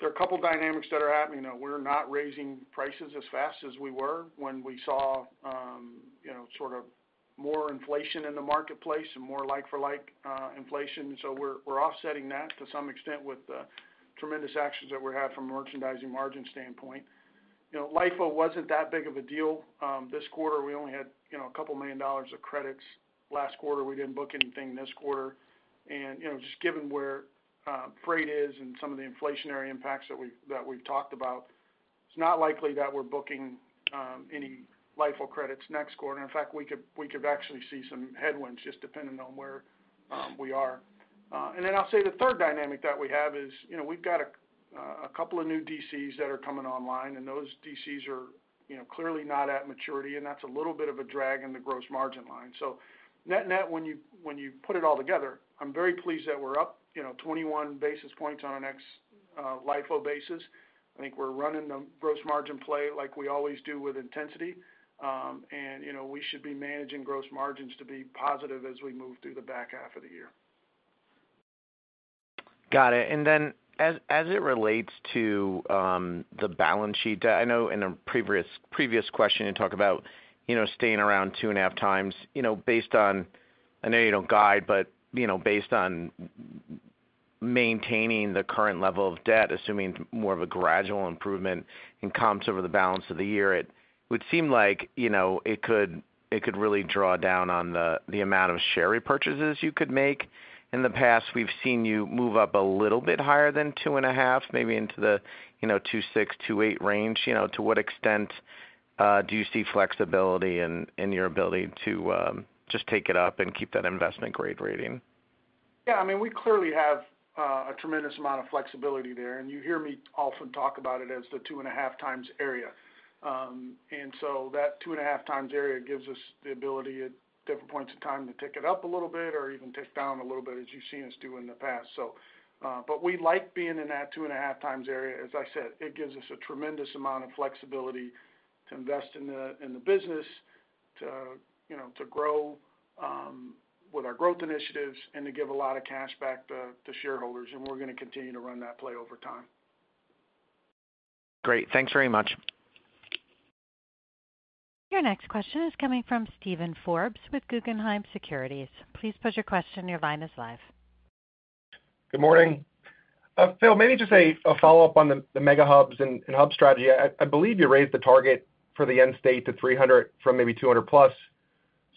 There are a couple of dynamics that are happening. We're not raising prices as fast as we were when we saw sort of more inflation in the marketplace and more like-for-like inflation. So we're offsetting that to some extent with the tremendous actions that we have from a merchandising margin standpoint. LIFO wasn't that big of a deal this quarter. We only had $2 million of credits. Last quarter, we didn't book anything this quarter. Just given where freight is and some of the inflationary impacts that we've talked about, it's not likely that we're booking any LIFO credits next quarter. In fact, we could actually see some headwinds just depending on where we are. Then I'll say the third dynamic that we have is we've got a couple of new DCs that are coming online, and those DCs are clearly not at maturity, and that's a little bit of a drag in the gross margin line. Net-net, when you put it all together, I'm very pleased that we're up 21 basis points on our net LIFO basis. I think we're running the gross margin play like we always do with intensity, and we should be managing gross margins to be positive as we move through the back half of the year. Got it. And then as it relates to the balance sheet, I know in a previous question you talked about staying around two and a half times based on, I know you don't guide, but based on maintaining the current level of debt, assuming more of a gradual improvement in comps over the balance of the year, it would seem like it could really draw down on the amount of share repurchases you could make. In the past, we've seen you move up a little bit higher than two and a half, maybe into the 2.6, 2.8 range. To what extent do you see flexibility in your ability to just take it up and keep that investment grade rating? Yeah. I mean, we clearly have a tremendous amount of flexibility there. And you hear me often talk about it as the two and a half times area. And so that two and a half times area gives us the ability at different points in time to tick it up a little bit or even tick down a little bit, as you've seen us do in the past. But we like being in that two and a half times area. As I said, it gives us a tremendous amount of flexibility to invest in the business, to grow with our growth initiatives, and to give a lot of cash back to shareholders. And we're going to continue to run that play over time. Great. Thanks very much. Your next question is coming from Steven Forbes with Guggenheim Securities. Please post your question. Your line is live. Good morning. Phil, maybe just a follow-up on the Mega Hubs and hub strategy. I believe you raised the target for the end state to 300 from maybe 200+.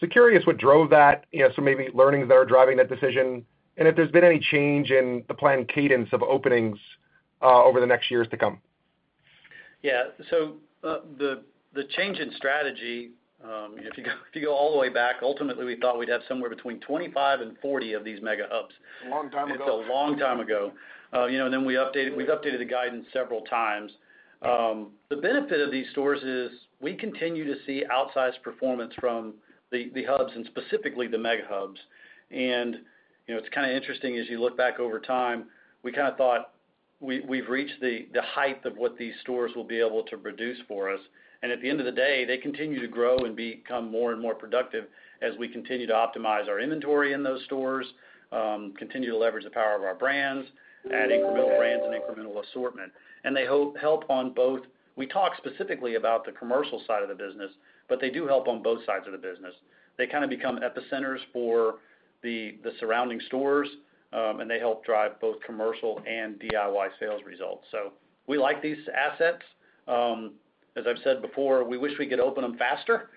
So, curious what drove that, so maybe learnings that are driving that decision, and if there's been any change in the planned cadence of openings over the next years to come. Yeah. So the change in strategy, if you go all the way back, ultimately, we thought we'd have somewhere between 25 and 40 of these Mega Hubs. It's a long time ago. It's a long time ago. And then we've updated the guidance several times. The benefit of these stores is we continue to see outsized performance from the hubs and specifically the Mega Hubs. And it's kind of interesting as you look back over time, we kind of thought we've reached the height of what these stores will be able to produce for us. And at the end of the day, they continue to grow and become more and more productive as we continue to optimize our inventory in those stores, continue to leverage the power of our brands, add incremental brands and incremental assortment. And they help on both. We talk specifically about the commercial side of the business, but they do help on both sides of the business. They kind of become epicenters for the surrounding stores, and they help drive both commercial and DIY sales results. So we like these assets. As I've said before, we wish we could open them faster.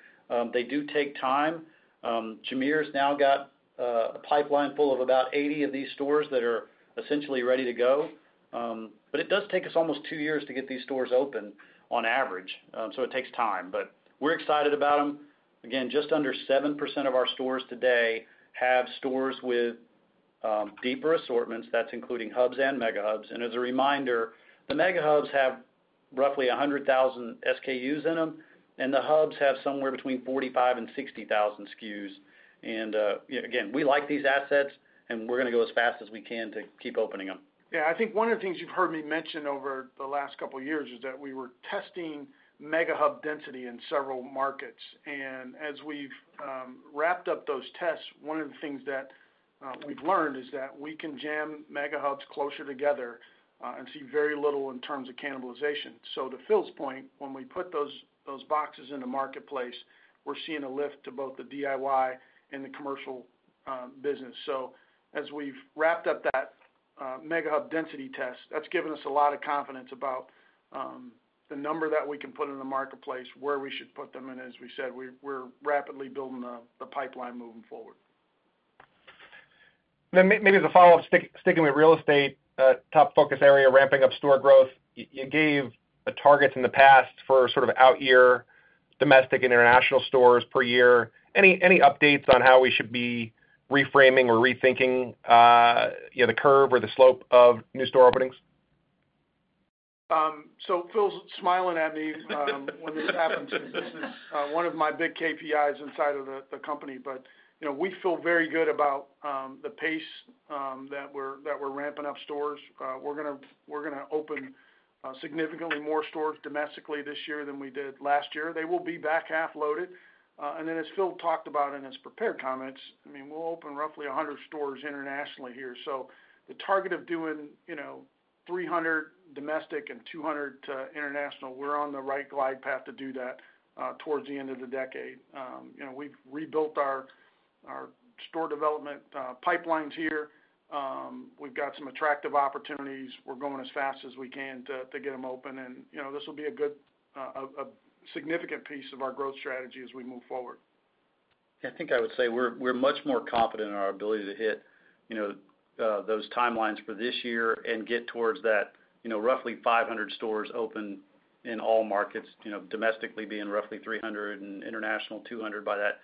They do take time. Jamere has now got a pipeline full of about 80 of these stores that are essentially ready to go. But it does take us almost two years to get these stores open on average. So it takes time. But we're excited about them. Again, just under 7% of our stores today have stores with deeper assortments. That's including hubs and Mega Hubs. And as a reminder, the Mega Hubs have roughly 100,000 SKUs in them, and the hubs have somewhere between 45,000 and 60,000 SKUs. And again, we like these assets, and we're going to go as fast as we can to keep opening them. Yeah. I think one of the things you've heard me mention over the last couple of years is that we were testing Mega Hub density in several markets. And as we've wrapped up those tests, one of the things that we've learned is that we can jam Mega Hubs closer together and see very little in terms of cannibalization. So to Phil's point, when we put those boxes in the marketplace, we're seeing a lift to both the DIY and the commercial business. So as we've wrapped up that Mega Hub density test, that's given us a lot of confidence about the number that we can put in the marketplace, where we should put them. And as we said, we're rapidly building the pipeline moving forward. Maybe as a follow-up, sticking with real estate, top focus area, ramping up store growth. You gave targets in the past for sort of out-year domestic and international stores per year. Any updates on how we should be reframing or rethinking the curve or the slope of new store openings? So Phil's smiling at me when this happens. This is one of my big KPIs inside of the company. But we feel very good about the pace that we're ramping up stores. We're going to open significantly more stores domestically this year than we did last year. They will be back half loaded. Then as Phil talked about in his prepared comments, I mean, we'll open roughly 100 stores internationally here. So the target of doing 300 domestic and 200 international, we're on the right glide path to do that towards the end of the decade. We've rebuilt our store development pipelines here. We've got some attractive opportunities. We're going as fast as we can to get them open. And this will be a significant piece of our growth strategy as we move forward. I think I would say we're much more confident in our ability to hit those timelines for this year and get towards that roughly 500 stores open in all markets, domestically being roughly 300 and international 200 by that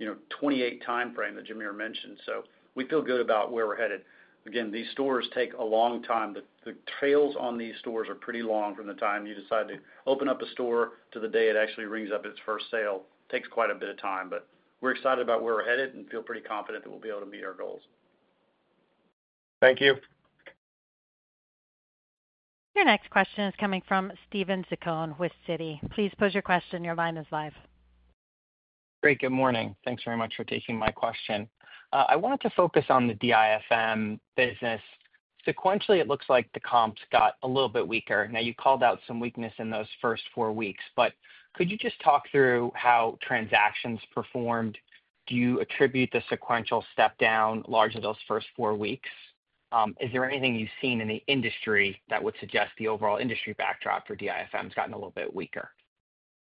2028 timeframe that Jamere mentioned. So we feel good about where we're headed. Again, these stores take a long time. The timelines on these stores are pretty long from the time you decide to open up a store to the day it actually rings up its first sale. It takes quite a bit of time. But we're excited about where we're headed and feel pretty confident that we'll be able to meet our goals. Thank you. Your next question is coming from Steven Zaccone with Citi. Please go ahead with your question. Your line is live. Great. Good morning. Thanks very much for taking my question. I wanted to focus on the DIFM business. Sequentially, it looks like the comps got a little bit weaker. Now, you called out some weakness in those first four weeks. But could you just talk through how transactions performed? Do you attribute the sequential step down largely to those first four weeks? Is there anything you've seen in the industry that would suggest the overall industry backdrop for DIFM has gotten a little bit weaker?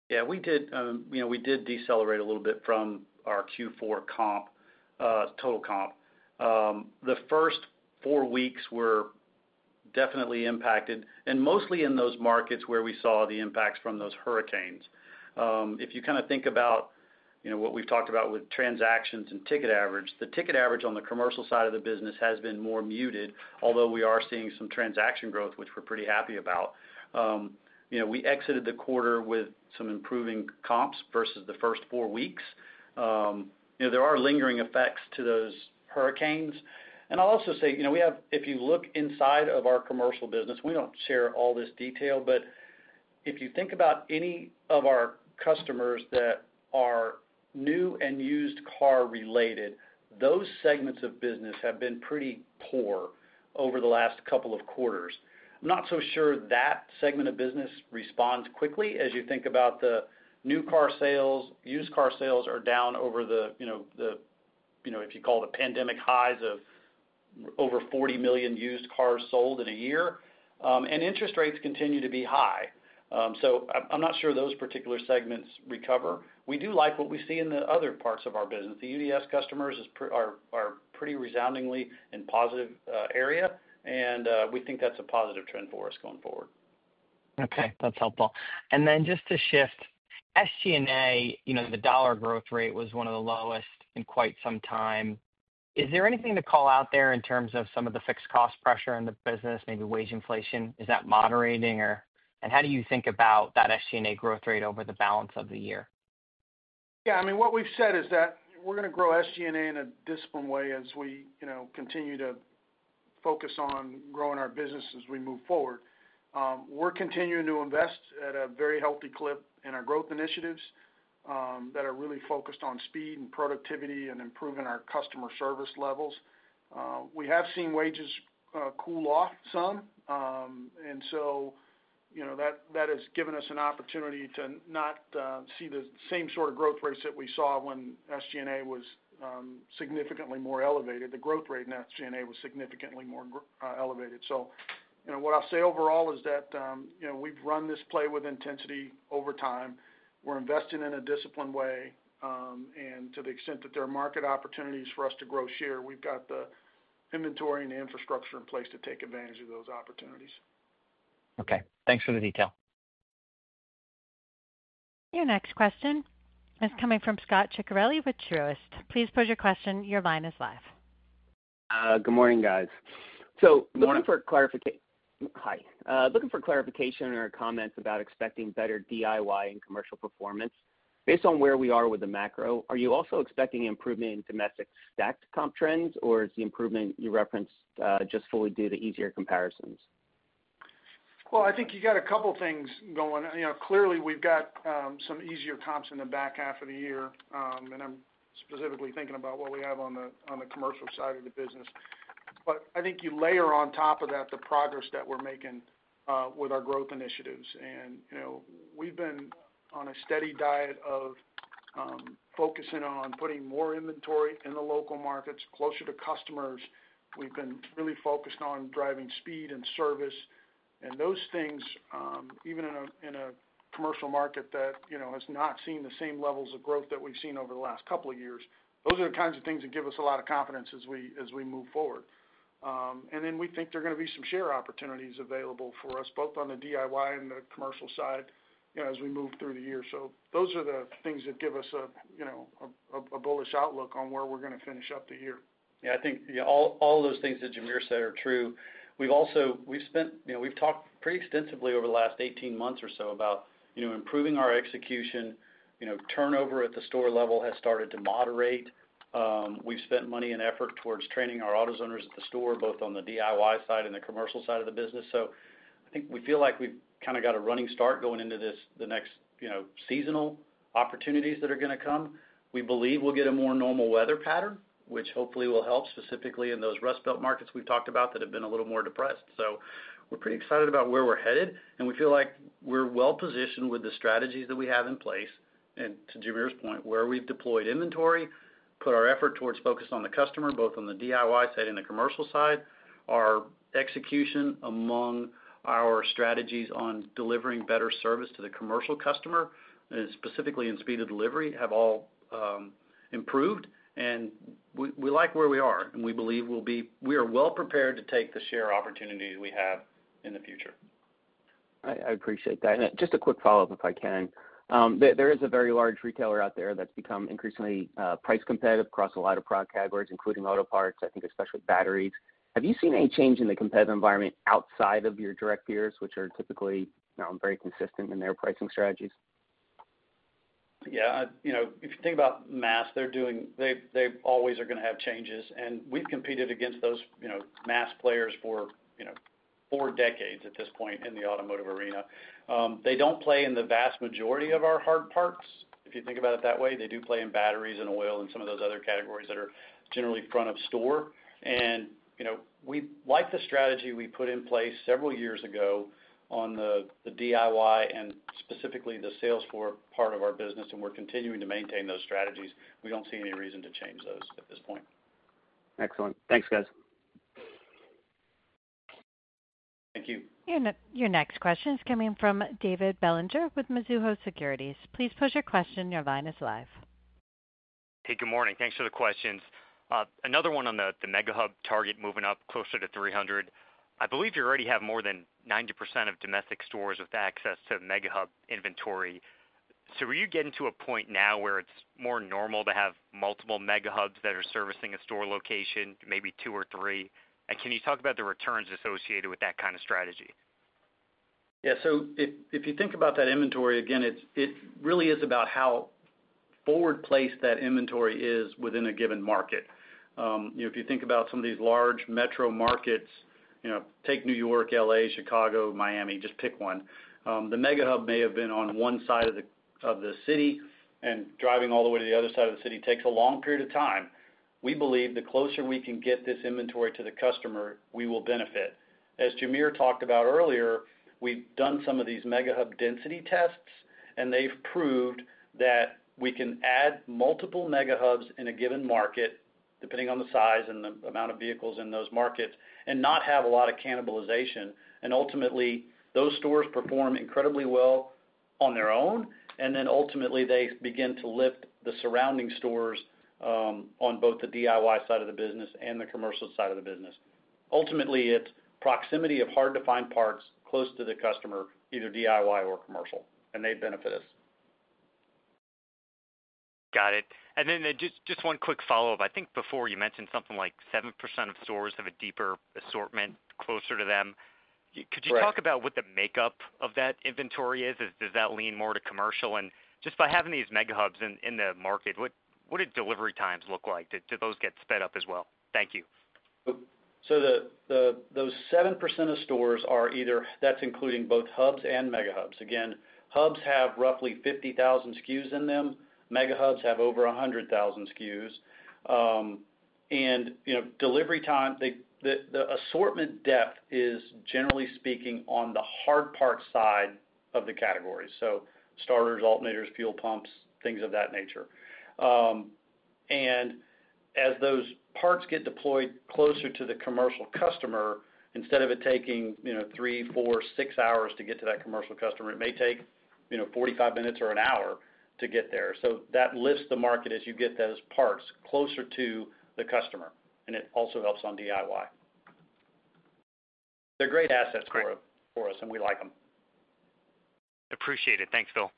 Yeah. We did decelerate a little bit from our Q4 total comp. The first four weeks were definitely impacted, and mostly in those markets where we saw the impacts from those hurricanes. If you kind of think about what we've talked about with transactions and ticket average, the ticket average on the commercial side of the business has been more muted, although we are seeing some transaction growth, which we're pretty happy about. We exited the quarter with some improving comps versus the first four weeks. There are lingering effects to those hurricanes. And I'll also say, if you look inside of our commercial business, we don't share all this detail. But if you think about any of our customers that are new and used car related, those segments of business have been pretty poor over the last couple of quarters. I'm not so sure that segment of business responds quickly as you think about the new car sales. Used car sales are down over the, if you call it, pandemic highs of over 40 million used cars sold in a year. And interest rates continue to be high. So I'm not sure those particular segments recover. We do like what we see in the other parts of our business. The DIY customers are pretty resoundingly in a positive area, and we think that's a positive trend for us going forward. Okay. That's helpful. And then just to shift, SG&A, the dollar growth rate was one of the lowest in quite some time. Is there anything to call out there in terms of some of the fixed cost pressure in the business, maybe wage inflation? Is that moderating? And how do you think about that SG&A growth rate over the balance of the year? Yeah. I mean, what we've said is that we're going to grow SG&A in a disciplined way as we continue to focus on growing our business as we move forward. We're continuing to invest at a very healthy clip in our growth initiatives that are really focused on speed and productivity and improving our customer service levels. We have seen wages cool off some. And so that has given us an opportunity to not see the same sort of growth rates that we saw when SG&A was significantly more elevated. The growth rate in SG&A was significantly more elevated. So what I'll say overall is that we've run this play with intensity over time. We're investing in a disciplined way. And to the extent that there are market opportunities for us to grow share, we've got the inventory and the infrastructure in place to take advantage of those opportunities. Okay. Thanks for the detail. Your next question is coming from Scot Ciccarelli with Truist. Please pose your question. Your line is live. Good morning, guys. So looking for clarification. Good morning. Hi. Looking for clarification or comments about expecting better DIY and commercial performance. Based on where we are with the macro, are you also expecting improvement in domestic stacked comp trends, or is the improvement you referenced just fully due to easier comparisons? Well, I think you got a couple of things going. Clearly, we've got some easier comps in the back half of the year, and I'm specifically thinking about what we have on the commercial side of the business, but I think you layer on top of that the progress that we're making with our growth initiatives, and we've been on a steady diet of focusing on putting more inventory in the local markets closer to customers. We've been really focused on driving speed and service, and those things, even in a commercial market that has not seen the same levels of growth that we've seen over the last couple of years, those are the kinds of things that give us a lot of confidence as we move forward, and then we think there are going to be some share opportunities available for us both on the DIY and the commercial side as we move through the year. So those are the things that give us a bullish outlook on where we're going to finish up the year. Yeah. I think all of those things that Jamere said are true. We've talked pretty extensively over the last 18 months or so about improving our execution. Turnover at the store level has started to moderate. We've spent money and effort towards training our AutoZoners at the store, both on the DIY side and the commercial side of the business. So I think we feel like we've kind of got a running start going into the next seasonal opportunities that are going to come. We believe we'll get a more normal weather pattern, which hopefully will help specifically in those Rust Belt markets we've talked about that have been a little more depressed. So we're pretty excited about where we're headed. We feel like we're well positioned with the strategies that we have in place. To Jamere's point, where we've deployed inventory, put our effort towards focus on the customer, both on the DIY side and the commercial side. Our execution among our strategies on delivering better service to the commercial customer, specifically in speed of delivery, have all improved. We like where we are. We believe we'll be well prepared to take the share opportunity we have in the future. I appreciate that. Just a quick follow-up, if I can. There is a very large retailer out there that's become increasingly price competitive across a lot of product categories, including auto parts, I think especially batteries. Have you seen any change in the competitive environment outside of your direct peers, which are typically very consistent in their pricing strategies? Yeah. If you think about mass, they always are going to have changes. And we've competed against those mass players for four decades at this point in the automotive arena. They don't play in the vast majority of our hard parts, if you think about it that way. They do play in batteries and oil and some of those other categories that are generally front of store. And we like the strategy we put in place several years ago on the DIY and specifically the sales floor part of our business. And we're continuing to maintain those strategies. We don't see any reason to change those at this point. Excellent. Thanks, guys. Thank you. Your next question is coming from David Bellinger with Mizuho Securities. Please post your question. Your line is live. Hey. Good morning. Thanks for the questions. Another one on the Mega Hub target moving up closer to 300. I believe you already have more than 90% of domestic stores with access to Mega Hub inventory. So are you getting to a point now where it's more normal to have multiple Mega Hubs that are servicing a store location, maybe two or three? And can you talk about the returns associated with that kind of strategy? Yeah. So if you think about that inventory, again, it really is about how forward-placed that inventory is within a given market. If you think about some of these large metro markets, take New York, L.A., Chicago, Miami, just pick one. The Mega Hub may have been on one side of the city, and driving all the way to the other side of the city takes a long period of time. We believe the closer we can get this inventory to the customer, we will benefit. As Jamere talked about earlier, we've done some of these Mega Hub density tests, and they've proved that we can add multiple Mega Hubs in a given market, depending on the size and the amount of vehicles in those markets, and not have a lot of cannibalization, and ultimately, those stores perform incredibly well on their own, and then ultimately, they begin to lift the surrounding stores on both the DIY side of the business and the commercial side of the business. Ultimately, it's proximity of hard-to-find parts close to the customer, either DIY or commercial, and they benefit us. Got it, and then just one quick follow-up. I think before you mentioned something like 7% of stores have a deeper assortment closer to them. Could you talk about what the makeup of that inventory is? Does that lean more to commercial? And just by having these Mega Hubs in the market, what do delivery times look like? Do those get sped up as well? Thank you. So those 7% of stores are either. That's including both hubs and Mega Hubs. Again, hubs have roughly 50,000 SKUs in them. Mega Hubs have over 100,000 SKUs. And delivery time, the assortment depth is, generally speaking, on the hard part side of the category. So starters, alternators, fuel pumps, things of that nature. And as those parts get deployed closer to the commercial customer, instead of it taking three, four, six hours to get to that commercial customer, it may take 45 minutes or an hour to get there. So that lifts the market as you get those parts closer to the customer. And it also helps on DIY. They're great assets for us, and we like them. Appreciate it. Thanks, Phil.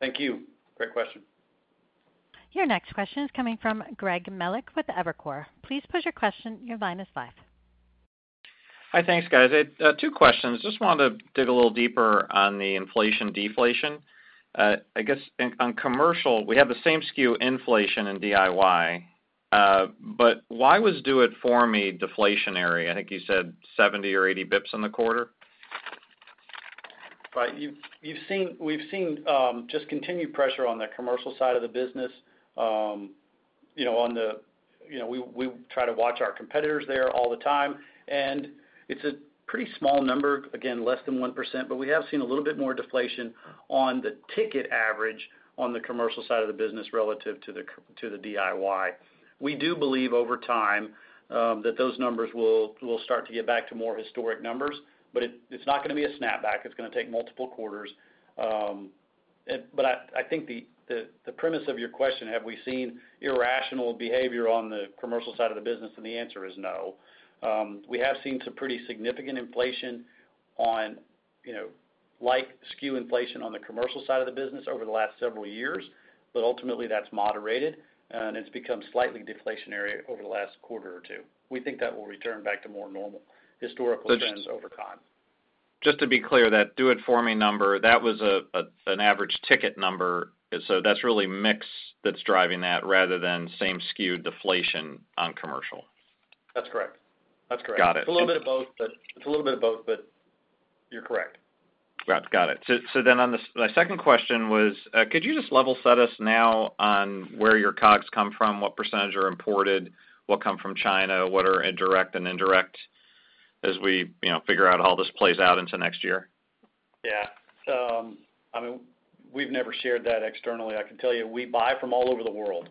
Thank you. Great question. Your next question is coming from Greg Melich with Evercore. Please post your question. Your line is live. Hi. Thanks, guys. Two questions. Just wanted to dig a little deeper on the inflation-deflation. I guess on commercial, we have the same SKU inflation in DIY. But why was Do-It-For-Me deflationary? I think you said 70 or 80 basis points on the quarter. Right. We've seen just continued pressure on the commercial side of the business. On the we try to watch our competitors there all the time. And it's a pretty small number, again, less than 1%. But we have seen a little bit more deflation on the ticket average on the commercial side of the business relative to the DIY. We do believe over time that those numbers will start to get back to more historic numbers, but it's not going to be a snapback. It's going to take multiple quarters, but I think the premise of your question, have we seen irrational behavior on the commercial side of the business, and the answer is no. We have seen some pretty significant inflation on like SKU inflation on the commercial side of the business over the last several years, but ultimately, that's moderated, and it's become slightly deflationary over the last quarter or two. We think that will return back to more normal historical trends over time. Just to be clear, that Do-It-For-Me number, that was an average ticket number. So that's really mix that's driving that rather than same SKU deflation on commercial. That's correct. That's correct. It's a little bit of both. It's a little bit of both, but you're correct. Got it. So then my second question was, could you just level set us now on where your COGS come from, what percentage are imported, what come from China, what are direct and indirect as we figure out how this plays out into next year? Yeah. I mean, we've never shared that externally. I can tell you we buy from all over the world.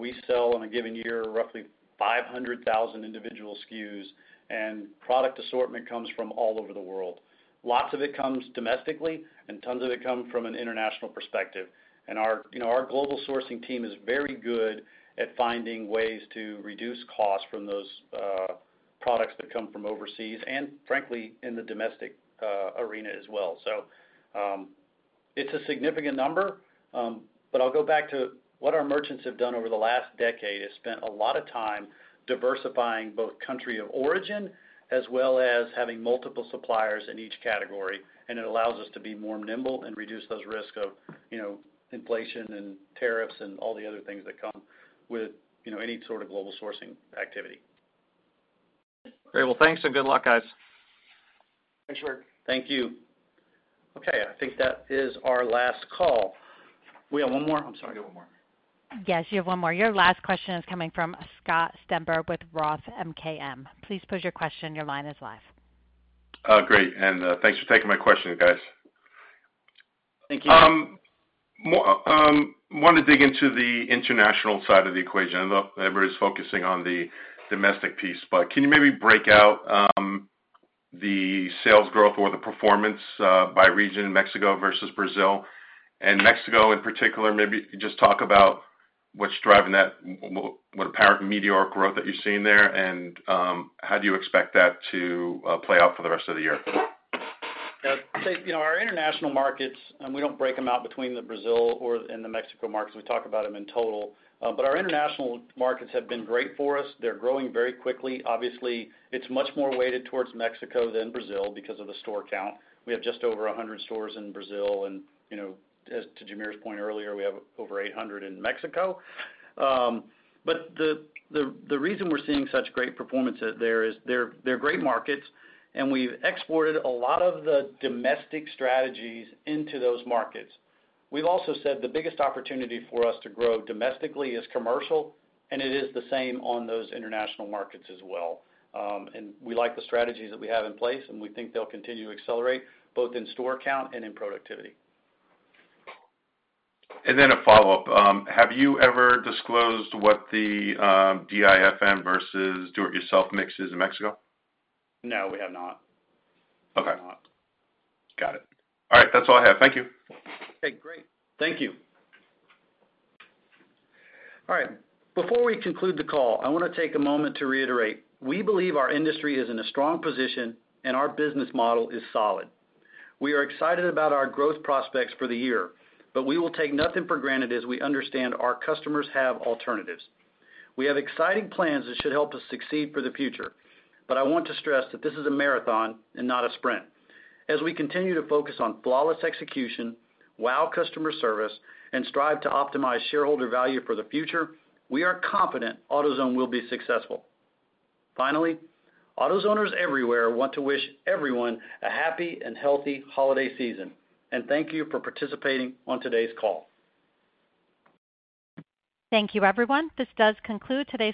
We sell in a given year roughly 500,000 individual SKUs. And product assortment comes from all over the world. Lots of it comes domestically, and tons of it come from an international perspective. And our global sourcing team is very good at finding ways to reduce costs from those products that come from overseas and, frankly, in the domestic arena as well. So it's a significant number. But I'll go back to what our merchants have done over the last decade. They've spent a lot of time diversifying both country of origin as well as having multiple suppliers in each category. And it allows us to be more nimble and reduce those risks of inflation and tariffs and all the other things that come with any sort of global sourcing activity. Great. Well, thanks and good luck, guys. Thanks, Greg. Thank you. Okay. I think that is our last call. We have one more. I'm sorry. I got one more. Yes. You have one more. Your last question is coming from Scott Stember with Roth MKM. Please post your question. Your line is live. Great. And thanks for taking my question, guys. Thank you. I want to dig into the international side of the equation. Everybody's focusing on the domestic piece. But can you maybe break out the sales growth or the performance by region, Mexico versus Brazil? And Mexico in particular, maybe just talk about what's driving that apparent meteoric growth that you're seeing there. And how do you expect that to play out for the rest of the year? Our international markets, and we don't break them out between the Brazil and the Mexico markets. We talk about them in total. But our international markets have been great for us. They're growing very quickly. Obviously, it's much more weighted towards Mexico than Brazil because of the store count. We have just over 100 stores in Brazil. And as to Jamere's point earlier, we have over 800 in Mexico. But the reason we're seeing such great performance there is they're great markets. And we've exported a lot of the domestic strategies into those markets. We've also said the biggest opportunity for us to grow domestically is commercial. And it is the same on those international markets as well. And we like the strategies that we have in place. And we think they'll continue to accelerate both in store count and in productivity. And then a follow-up. Have you ever disclosed what the DIFM versus Do-It-Yourself mix is in Mexico? No. We have not. We have not. Got it. All right. That's all I have. Thank you. Okay. Great. Thank you. All right. Before we conclude the call, I want to take a moment to reiterate. We believe our industry is in a strong position, and our business model is solid. We are excited about our growth prospects for the year. But we will take nothing for granted as we understand our customers have alternatives. We have exciting plans that should help us succeed for the future. But I want to stress that this is a marathon and not a sprint. As we continue to focus on flawless execution, WOW! Customer Service, and strive to optimize shareholder value for the future, we are confident AutoZone will be successful. Finally, AutoZoners everywhere want to wish everyone a happy and healthy holiday season. And thank you for participating on today's call. Thank you, everyone. This does conclude today's.